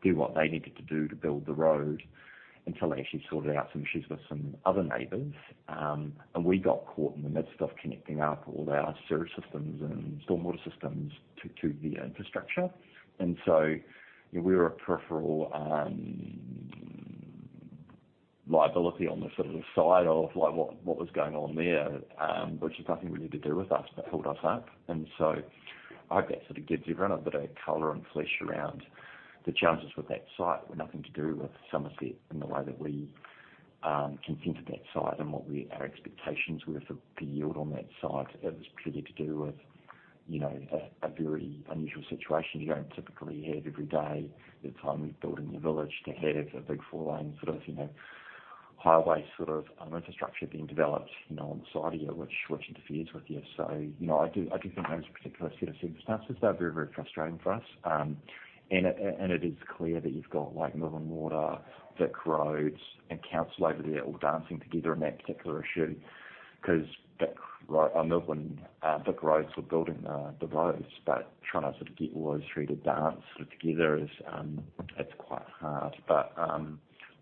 do what they needed to do to build the road until they actually sorted out some issues with some other neighbors. We got caught in the midst of connecting up all our sewer systems and stormwater systems to the infrastructure. You know, we were a peripheral liability on the sort of side of like, what was going on there, which is nothing to do with us that held us up. I hope that sort of gives everyone a bit of color and flesh around the challenges with that site were nothing to do with Summerset and the way that we consented that site and what our expectations were for the yield on that site. It was purely to do with, you know, a very unusual situation. You don't typically have every day at the time of building your village to have a big four-lane sort of, you know, highway sort of, infrastructure being developed, you know, on the side of you, which interferes with you. You know, I do think that was a particular set of circumstances. They were very, very frustrating for us. It is clear that you've got like Melbourne Water, VicRoads and council over there all dancing together on that particular issue 'cause VicRoads or Melbourne Water were building the roads, but trying to sort of get all those three to dance sort of together is quite hard.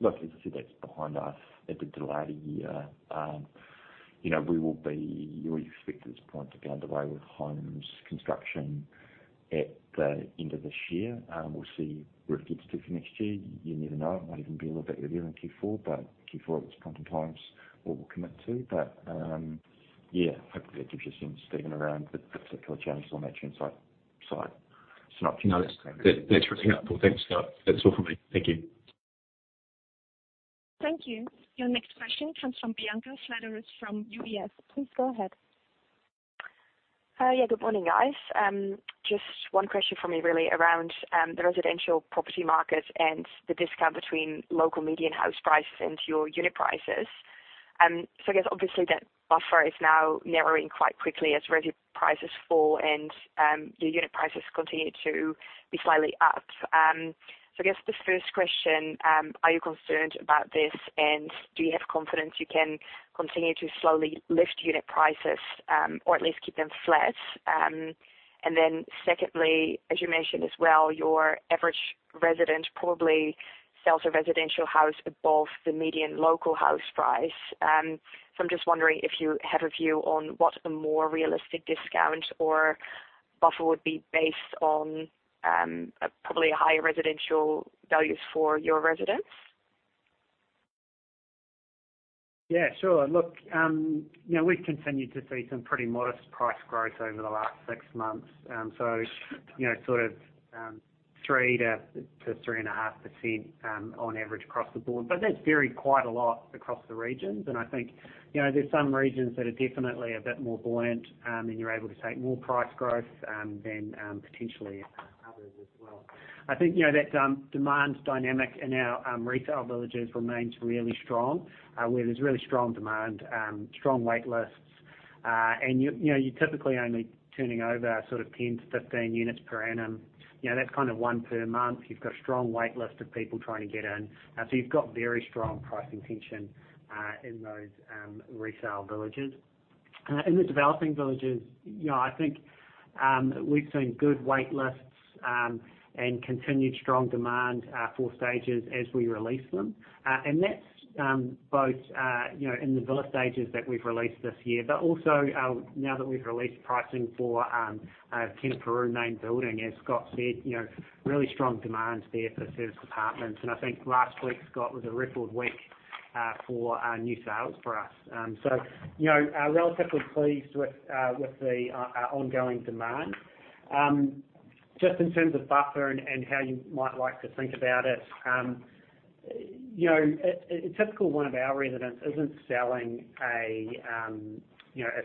Look, as I said, that's behind us. It did delay it a year. You know, we expect at this point to be underway with homes construction at the end of this year. We'll see where it gets to for next year. You never know. It might even be a little bit earlier in Q4, but Q4 at this point in time is what we'll commit to. Yeah, hopefully that gives you a sense, Stephen, around the particular challenges on that Truganina site. Look, you know, that's. That's really helpful. Thanks, Scott. That's all from me. Thank you. Thank you. Your next question comes from Bianca Fledderus from UBS. Please go ahead. Yeah. Good morning, guys. Just one question for me really around the residential property market and the discount between local median house prices and your unit prices. I guess obviously that buffer is now narrowing quite quickly as residential prices fall and the unit prices continue to be slightly up. I guess the first question, are you concerned about this and do you have confidence you can continue to slowly lift unit prices or at least keep them flat? Secondly, as you mentioned as well, your average resident probably sells a residential house above the median local house price. I'm just wondering if you have a view on what a more realistic discount or buffer would be based on probably higher residential values for your residents. Yeah, sure. Look, you know, we've continued to see some pretty modest price growth over the last six months. You know, sort of, 3 to 3.5%, on average across the board. But that's varied quite a lot across the regions. I think, you know, there's some regions that are definitely a bit more buoyant, and you're able to take more price growth, than potentially others as well. I think, you know, that, demand dynamic in our, resale villages remains really strong, where there's really strong demand, strong wait lists. And you know, you're typically only turning over sort of 10 to 15 units per annum. You know, that's kind of one per month. You've got a strong wait list of people trying to get in. You've got very strong pricing tension in those resale villages. In the developing villages, you know, I think, we've seen good wait lists and continued strong demand for stages as we release them. That's both, you know, in the villa stages that we've released this year, but also now that we've released pricing for Kenepuru main building, as Scott said, you know, really strong demand there for serviced apartments. I think last week, Scott, was a record week for new sales for us. You know, relatively pleased with the ongoing demand. Just in terms of buffer and how you might like to think about it, you know, a typical one of our residents isn't selling a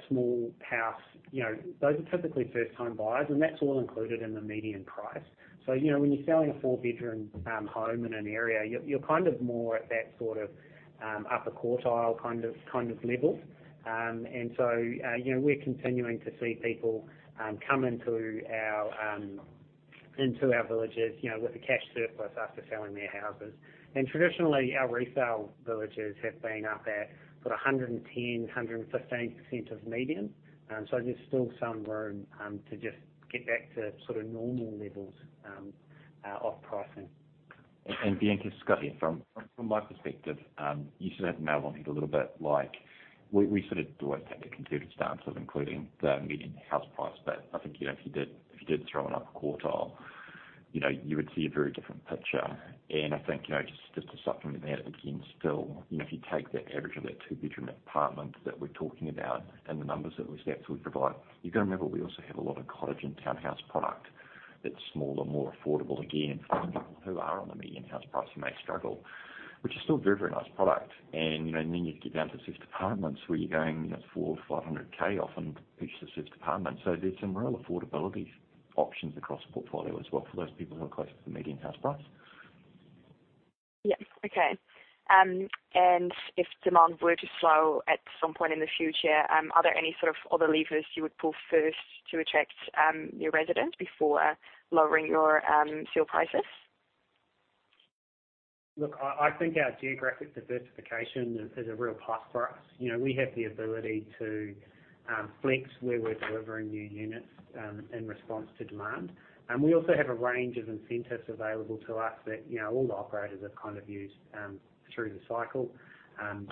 small house. You know, those are typically first time buyers, and that's all included in the median price. You know, when you're selling a four-bedroom home in an area, you're kind of more at that sort of upper quartile kind of level. You know, we're continuing to see people come into our villages, you know, with a cash surplus after selling their houses. Traditionally, our resale villages have been up at sort of 110, 115% of median. There's still some room to just get back to sort of normal levels of pricing. Bianca, Scott here. From my perspective, you sort of hit the nail on the head a little bit like we sort of always take a conservative stance of including the median house price. But I think, you know, if you did throw an upper quartile, you know, you would see a very different picture. I think, you know, just to supplement that again, still, you know, if you take the average of that two-bedroom apartment that we're talking about and the numbers that we stats we provide, you've got to remember we also have a lot of cottage and townhouse product that's smaller, more affordable, again, for the people who are on the median house price who may struggle, which is still very, very nice product. You know, and then you get down to serviced apartments where you're going, you know, 400,000 or 500,000 often for each serviced apartment. There's some real affordability options across the portfolio as well for those people who are closer to the median house price. Yeah. Okay. If demand were to slow at some point in the future, are there any sort of other levers you would pull first to attract new residents before lowering your sale prices? Look, I think our geographic diversification is a real plus for us. You know, we have the ability to flex where we're delivering new units in response to demand. We also have a range of incentives available to us that, you know, all the operators have kind of used through the cycle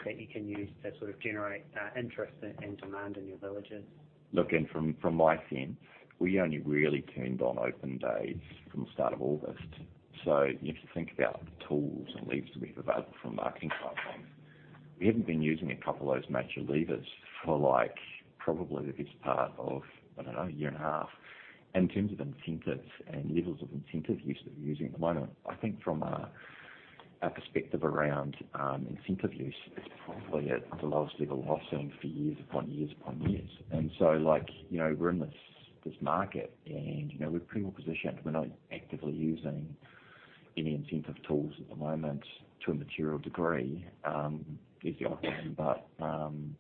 that you can use to sort of generate interest and demand in your villages. Look, from my end, we only really turned on open days from the start of August. If you think about the tools and levers we have available from a marketing platform, we haven't been using a couple of those major levers for, like, probably the biggest part of, I don't know, a year and a half. In terms of incentives and levels of incentive use that we're using at the moment, I think from a perspective around incentive use, it's probably at the lowest level I've seen for years upon years upon years. Like, you know, we're in this market and, you know, we're pretty well positioned. We're not actively using any incentive tools at the moment to a material degree is the outcome.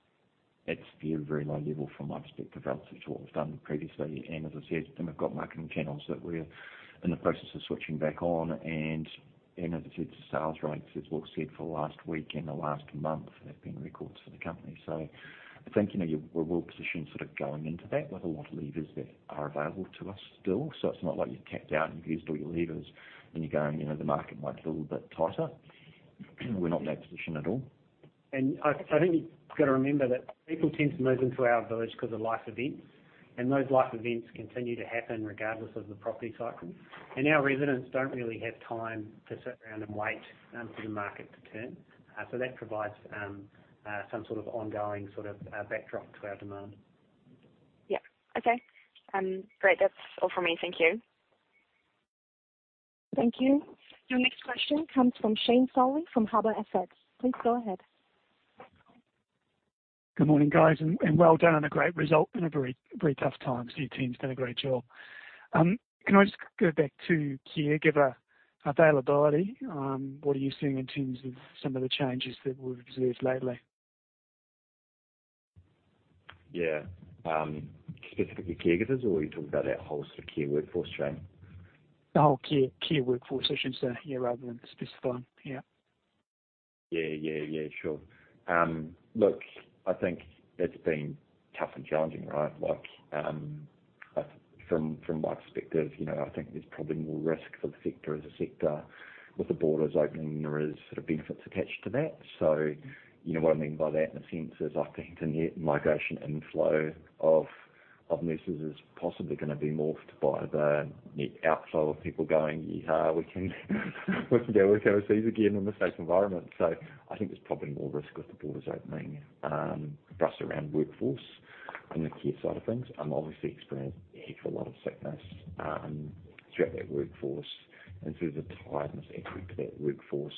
It's at a very low level from my perspective, relative to what we've done previously. As I said, then we've got marketing channels that we're in the process of switching back on. As I said, the sales rates, as Will said, for the last week and the last month have been records for the company. I think, you know, we're well positioned sort of going into that with a lot of levers that are available to us still. It's not like you've tapped out and you've used all your levers and you're going, you know, the market might be a little bit tighter. We're not in that position at all. I think you've got to remember that people tend to move into our village because of life events, and those life events continue to happen regardless of the property cycle. Our residents don't really have time to sit around and wait for the market to turn. That provides some sort of ongoing backdrop to our demand. Yeah. Okay. Great. That's all for me. Thank you. Thank you. Your next question comes from Shane Solly from Harbour Asset Management. Please go ahead. Good morning, guys, and well done on a great result in a very, very tough time. Your team's done a great job. Can I just go back to caregiver availability? What are you seeing in terms of some of the changes that we've observed lately? Yeah. Specifically caregivers or are you talking about our wholesale care workforce Shane? The whole care workforce, I should say, yeah, rather than specifying, yeah. Yeah, sure. Look, I think it's been tough and challenging, right? Like, from my perspective, you know, I think there's probably more risk for the sector as a sector. With the borders opening, there is sort of benefits attached to that. You know what I mean by that in a sense is I think the net migration inflow of nurses is possibly gonna be morphed by the net outflow of people going, "Yee-ha, we can go work overseas again in a safe environment." I think there's probably more risk with the borders opening, for us around workforce on the care side of things. Obviously experienced a heck of a lot of sickness, throughout that workforce and through the tiredness aspect of that workforce.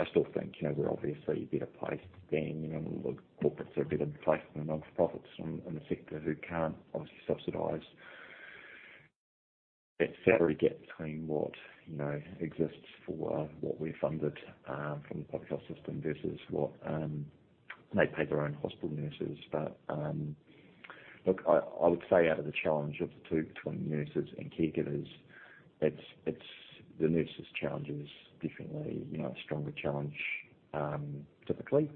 I still think, you know, we're obviously better placed than, you know, corporates are better placed than the nonprofits in the sector who can't obviously subsidize that salary gap between what, you know, exists for what we're funded from the public health system versus what they pay their own hospital nurses. Look, I would say out of the challenge of the two, between nurses and caregivers, it's the nurses challenge is definitely, you know, a stronger challenge typically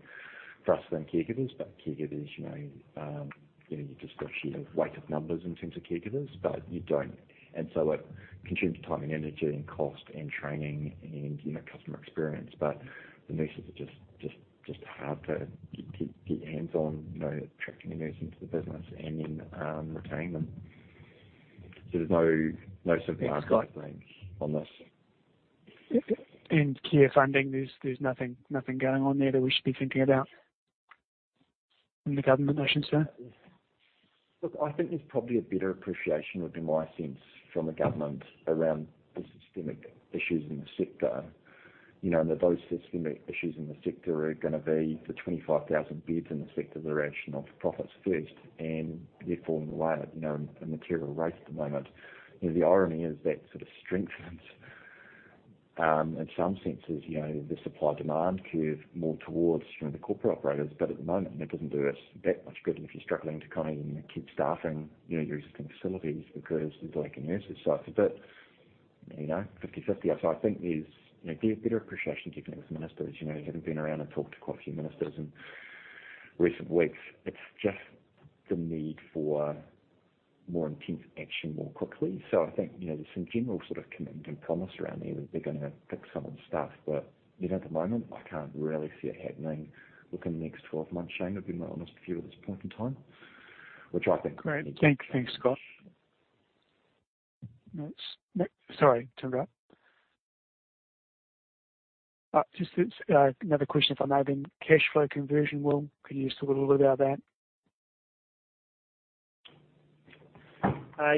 for us than caregivers. Caregivers, you know, you've just got sheer weight of numbers in terms of caregivers, but it consumes time and energy and cost and training and, you know, customer experience. The nurses are just hard to get hands on, you know, attracting the nurses into the business and then retaining them. There's no silver bullet, Shane, on this. Care funding, there's nothing going on there that we should be thinking about from the government notification, sir? Look, I think there's probably a better appreciation, would be my sense, from the government around the systemic issues in the sector. You know, that those systemic issues in the sector are gonna be the 25,000 beds in the sector that are actually non-for-profits first, and therefore in the way at, you know, a material rate at the moment. You know, the irony is that sort of strengthens in some senses, you know, the supply-demand curve more towards, you know, the corporate operators. At the moment, that doesn't do us that much good if you're struggling to kind of keep staffing, you know, your existing facilities because there's a lack of nurses. It's a bit, you know, 50/50. I think there's, you know, better appreciation, definitely with ministers. You know, having been around and talked to quite a few ministers in recent weeks. It's just the need for more intense action more quickly. I think, you know, there's some general sort of commitment and promise around there that they're gonna fix some of the stuff. You know, at the moment, I can't really see it happening, look, in the next 12 months, Shane, I'll be honest with you at this point in time, which I think. Great. Thanks, Scott. Sorry, Tim, go on. Just, it's another question if I may then. Cash flow conversion, Will, could you just talk a little about that?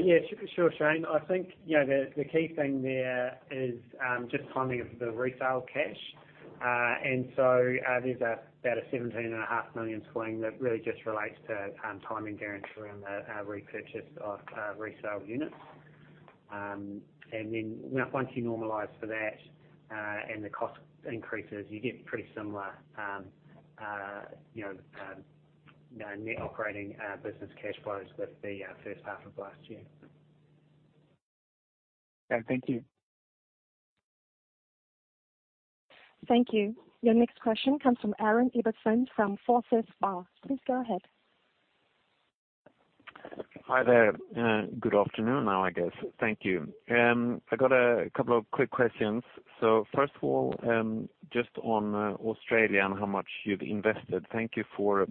Yeah, sure, Shane. I think, you know, the key thing there is just timing of the resale cash. There's about a 17.5 million swing that really just relates to timing guarantees around the repurchase of resale units. Once you normalize for that and the cost increases, you get pretty similar, you know, net operating business cash flows with the first half of last year. Okay. Thank you. Thank you. Your next question comes from Aaron Ibbotson from Forsyth Barr. Please go ahead. Hi there. Good afternoon now, I guess. Thank you. I got a couple of quick questions. First of all, just on Australia and how much you've invested. Thank you for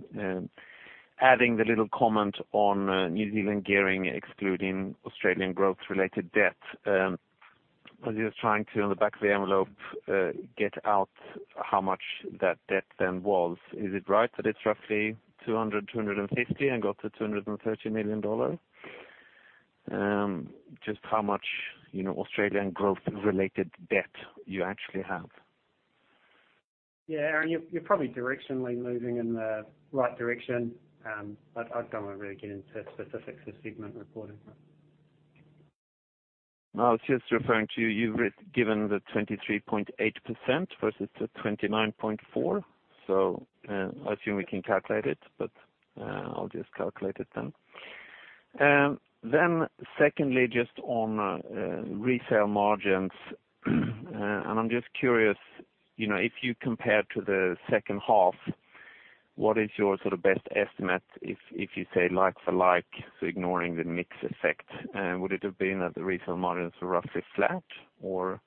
adding the little comment on New Zealand gearing excluding Australian growth-related debt. I was just trying to, on the back of the envelope, get out how much that debt then was. Is it right that it's roughly 250 million, and got to 230 million dollar? Just how much, you know, Australian growth-related debt you actually have. Yeah. Aaron, you're probably directionally moving in the right direction. I don't wanna really get into specifics of segment reporting. I was just referring to you've re-given the 23.8% versus the 29.4%. I assume we can calculate it, but I'll just calculate it then. Secondly, just on resale margins. I'm just curious, you know, if you compare to the second half, what is your sort of best estimate if you say like for like, so ignoring the mix effect, would it have been that the resale margins were roughly flat or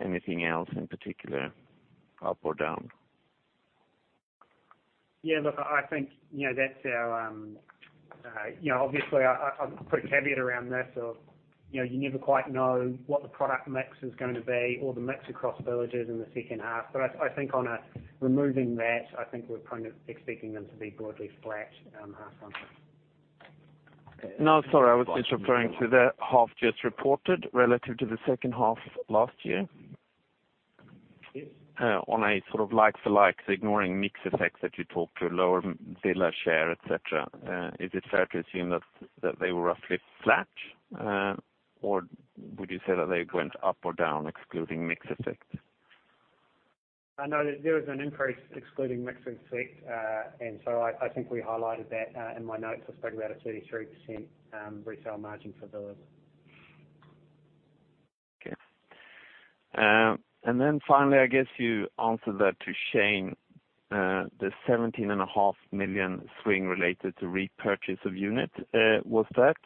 anything else in particular up or down? Yeah. Look, I think, you know, that's our, you know, obviously, I'll put a caveat around this of, you know, you never quite know what the product mix is gonna be or the mix across villages in the second half. I think on a removing that, I think we're kind of expecting them to be broadly flat, half one. No, sorry, I was just referring to the half just reported relative to the second half last year. On a sort of like-for-likes, ignoring mix effects that you talked about lower villa share, et cetera. Is it fair to assume that they were roughly flat? Would you say that they went up or down excluding mix effects? I know that there was an increase excluding mix effect. I think we highlighted that in my notes. I spoke about a 33% resale margin for villas. Okay. Finally, I guess you answered that to Shane, the 17.5 million swing related to repurchase of unit. Was that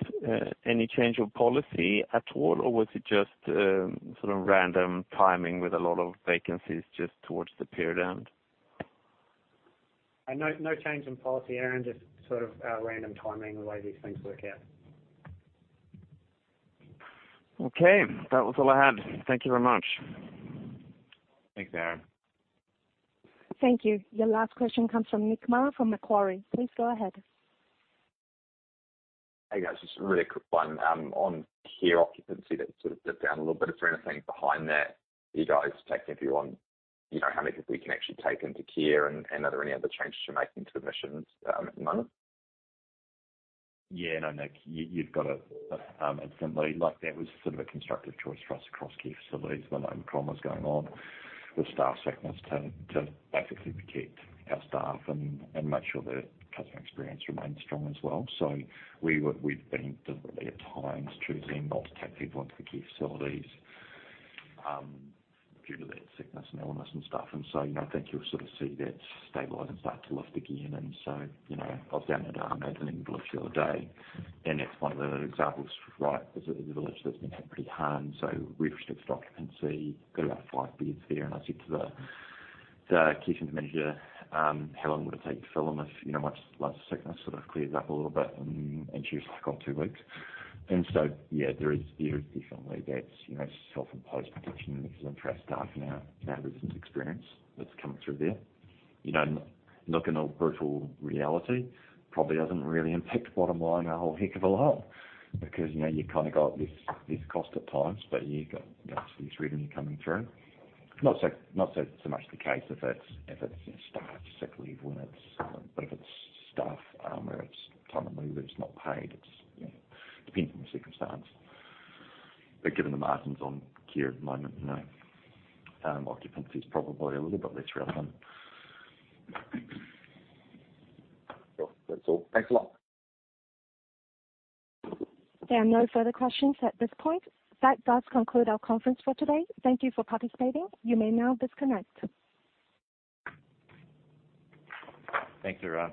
any change of policy at all, or was it just sort of random timing with a lot of vacancies just towards the period end? No change in policy, Aaron, just sort of random timing, the way these things work out. Okay. That was all I had. Thank you very much. Thanks, Aaron. Thank you. Your last question comes from Nick Marran from Macquarie. Please go ahead. Hey, guys. Just a really quick one, on care occupancy that sort of dipped down a little bit. Is there anything behind that you guys taking a view on, you know, how many people you can actually take into care and are there any other changes you're making to admissions, at the moment? Yeah. No, Nick, you've got it instantly. Like, that was sort of a constructive choice for us across key facilities when Omicron was going on with staff sickness to basically protect our staff and make sure the customer experience remained strong as well. We've been at times choosing not to take people into the key facilities due to that sickness and illness and stuff. You know, I think you'll sort of see that stabilize and start to lift again. You know, I was down at Inglewood the other day, and that's one of the examples, right? It's a village that's been hit pretty hard, so we've restricted occupancy. Got about five beds there. I said to the Care Centre Manager, "How long would it take to fill them if, you know, much less sickness sort of clears up a little bit?" She was like, "Oh, two weeks." There is definitely that, you know, self-imposed protection in the interest of staff and our residents' experience that's coming through there. You know, in looking at brutal reality probably doesn't really impact bottom line a whole heck of a lot because, you know, you kinda got this cost at times, but you got, you know, this revenue coming through. Not so much the case if it's, you know, staff sick leave when it's, but if it's staff, or it's time in lieu that's not paid, it, you know, depends on the circumstance. Given the margins on care at the moment, you know, occupancy is probably a little bit less relevant. Cool. That's all. Thanks a lot. There are no further questions at this point. That does conclude our conference for today. Thank you for participating. You may now disconnect. Thanks, everyone.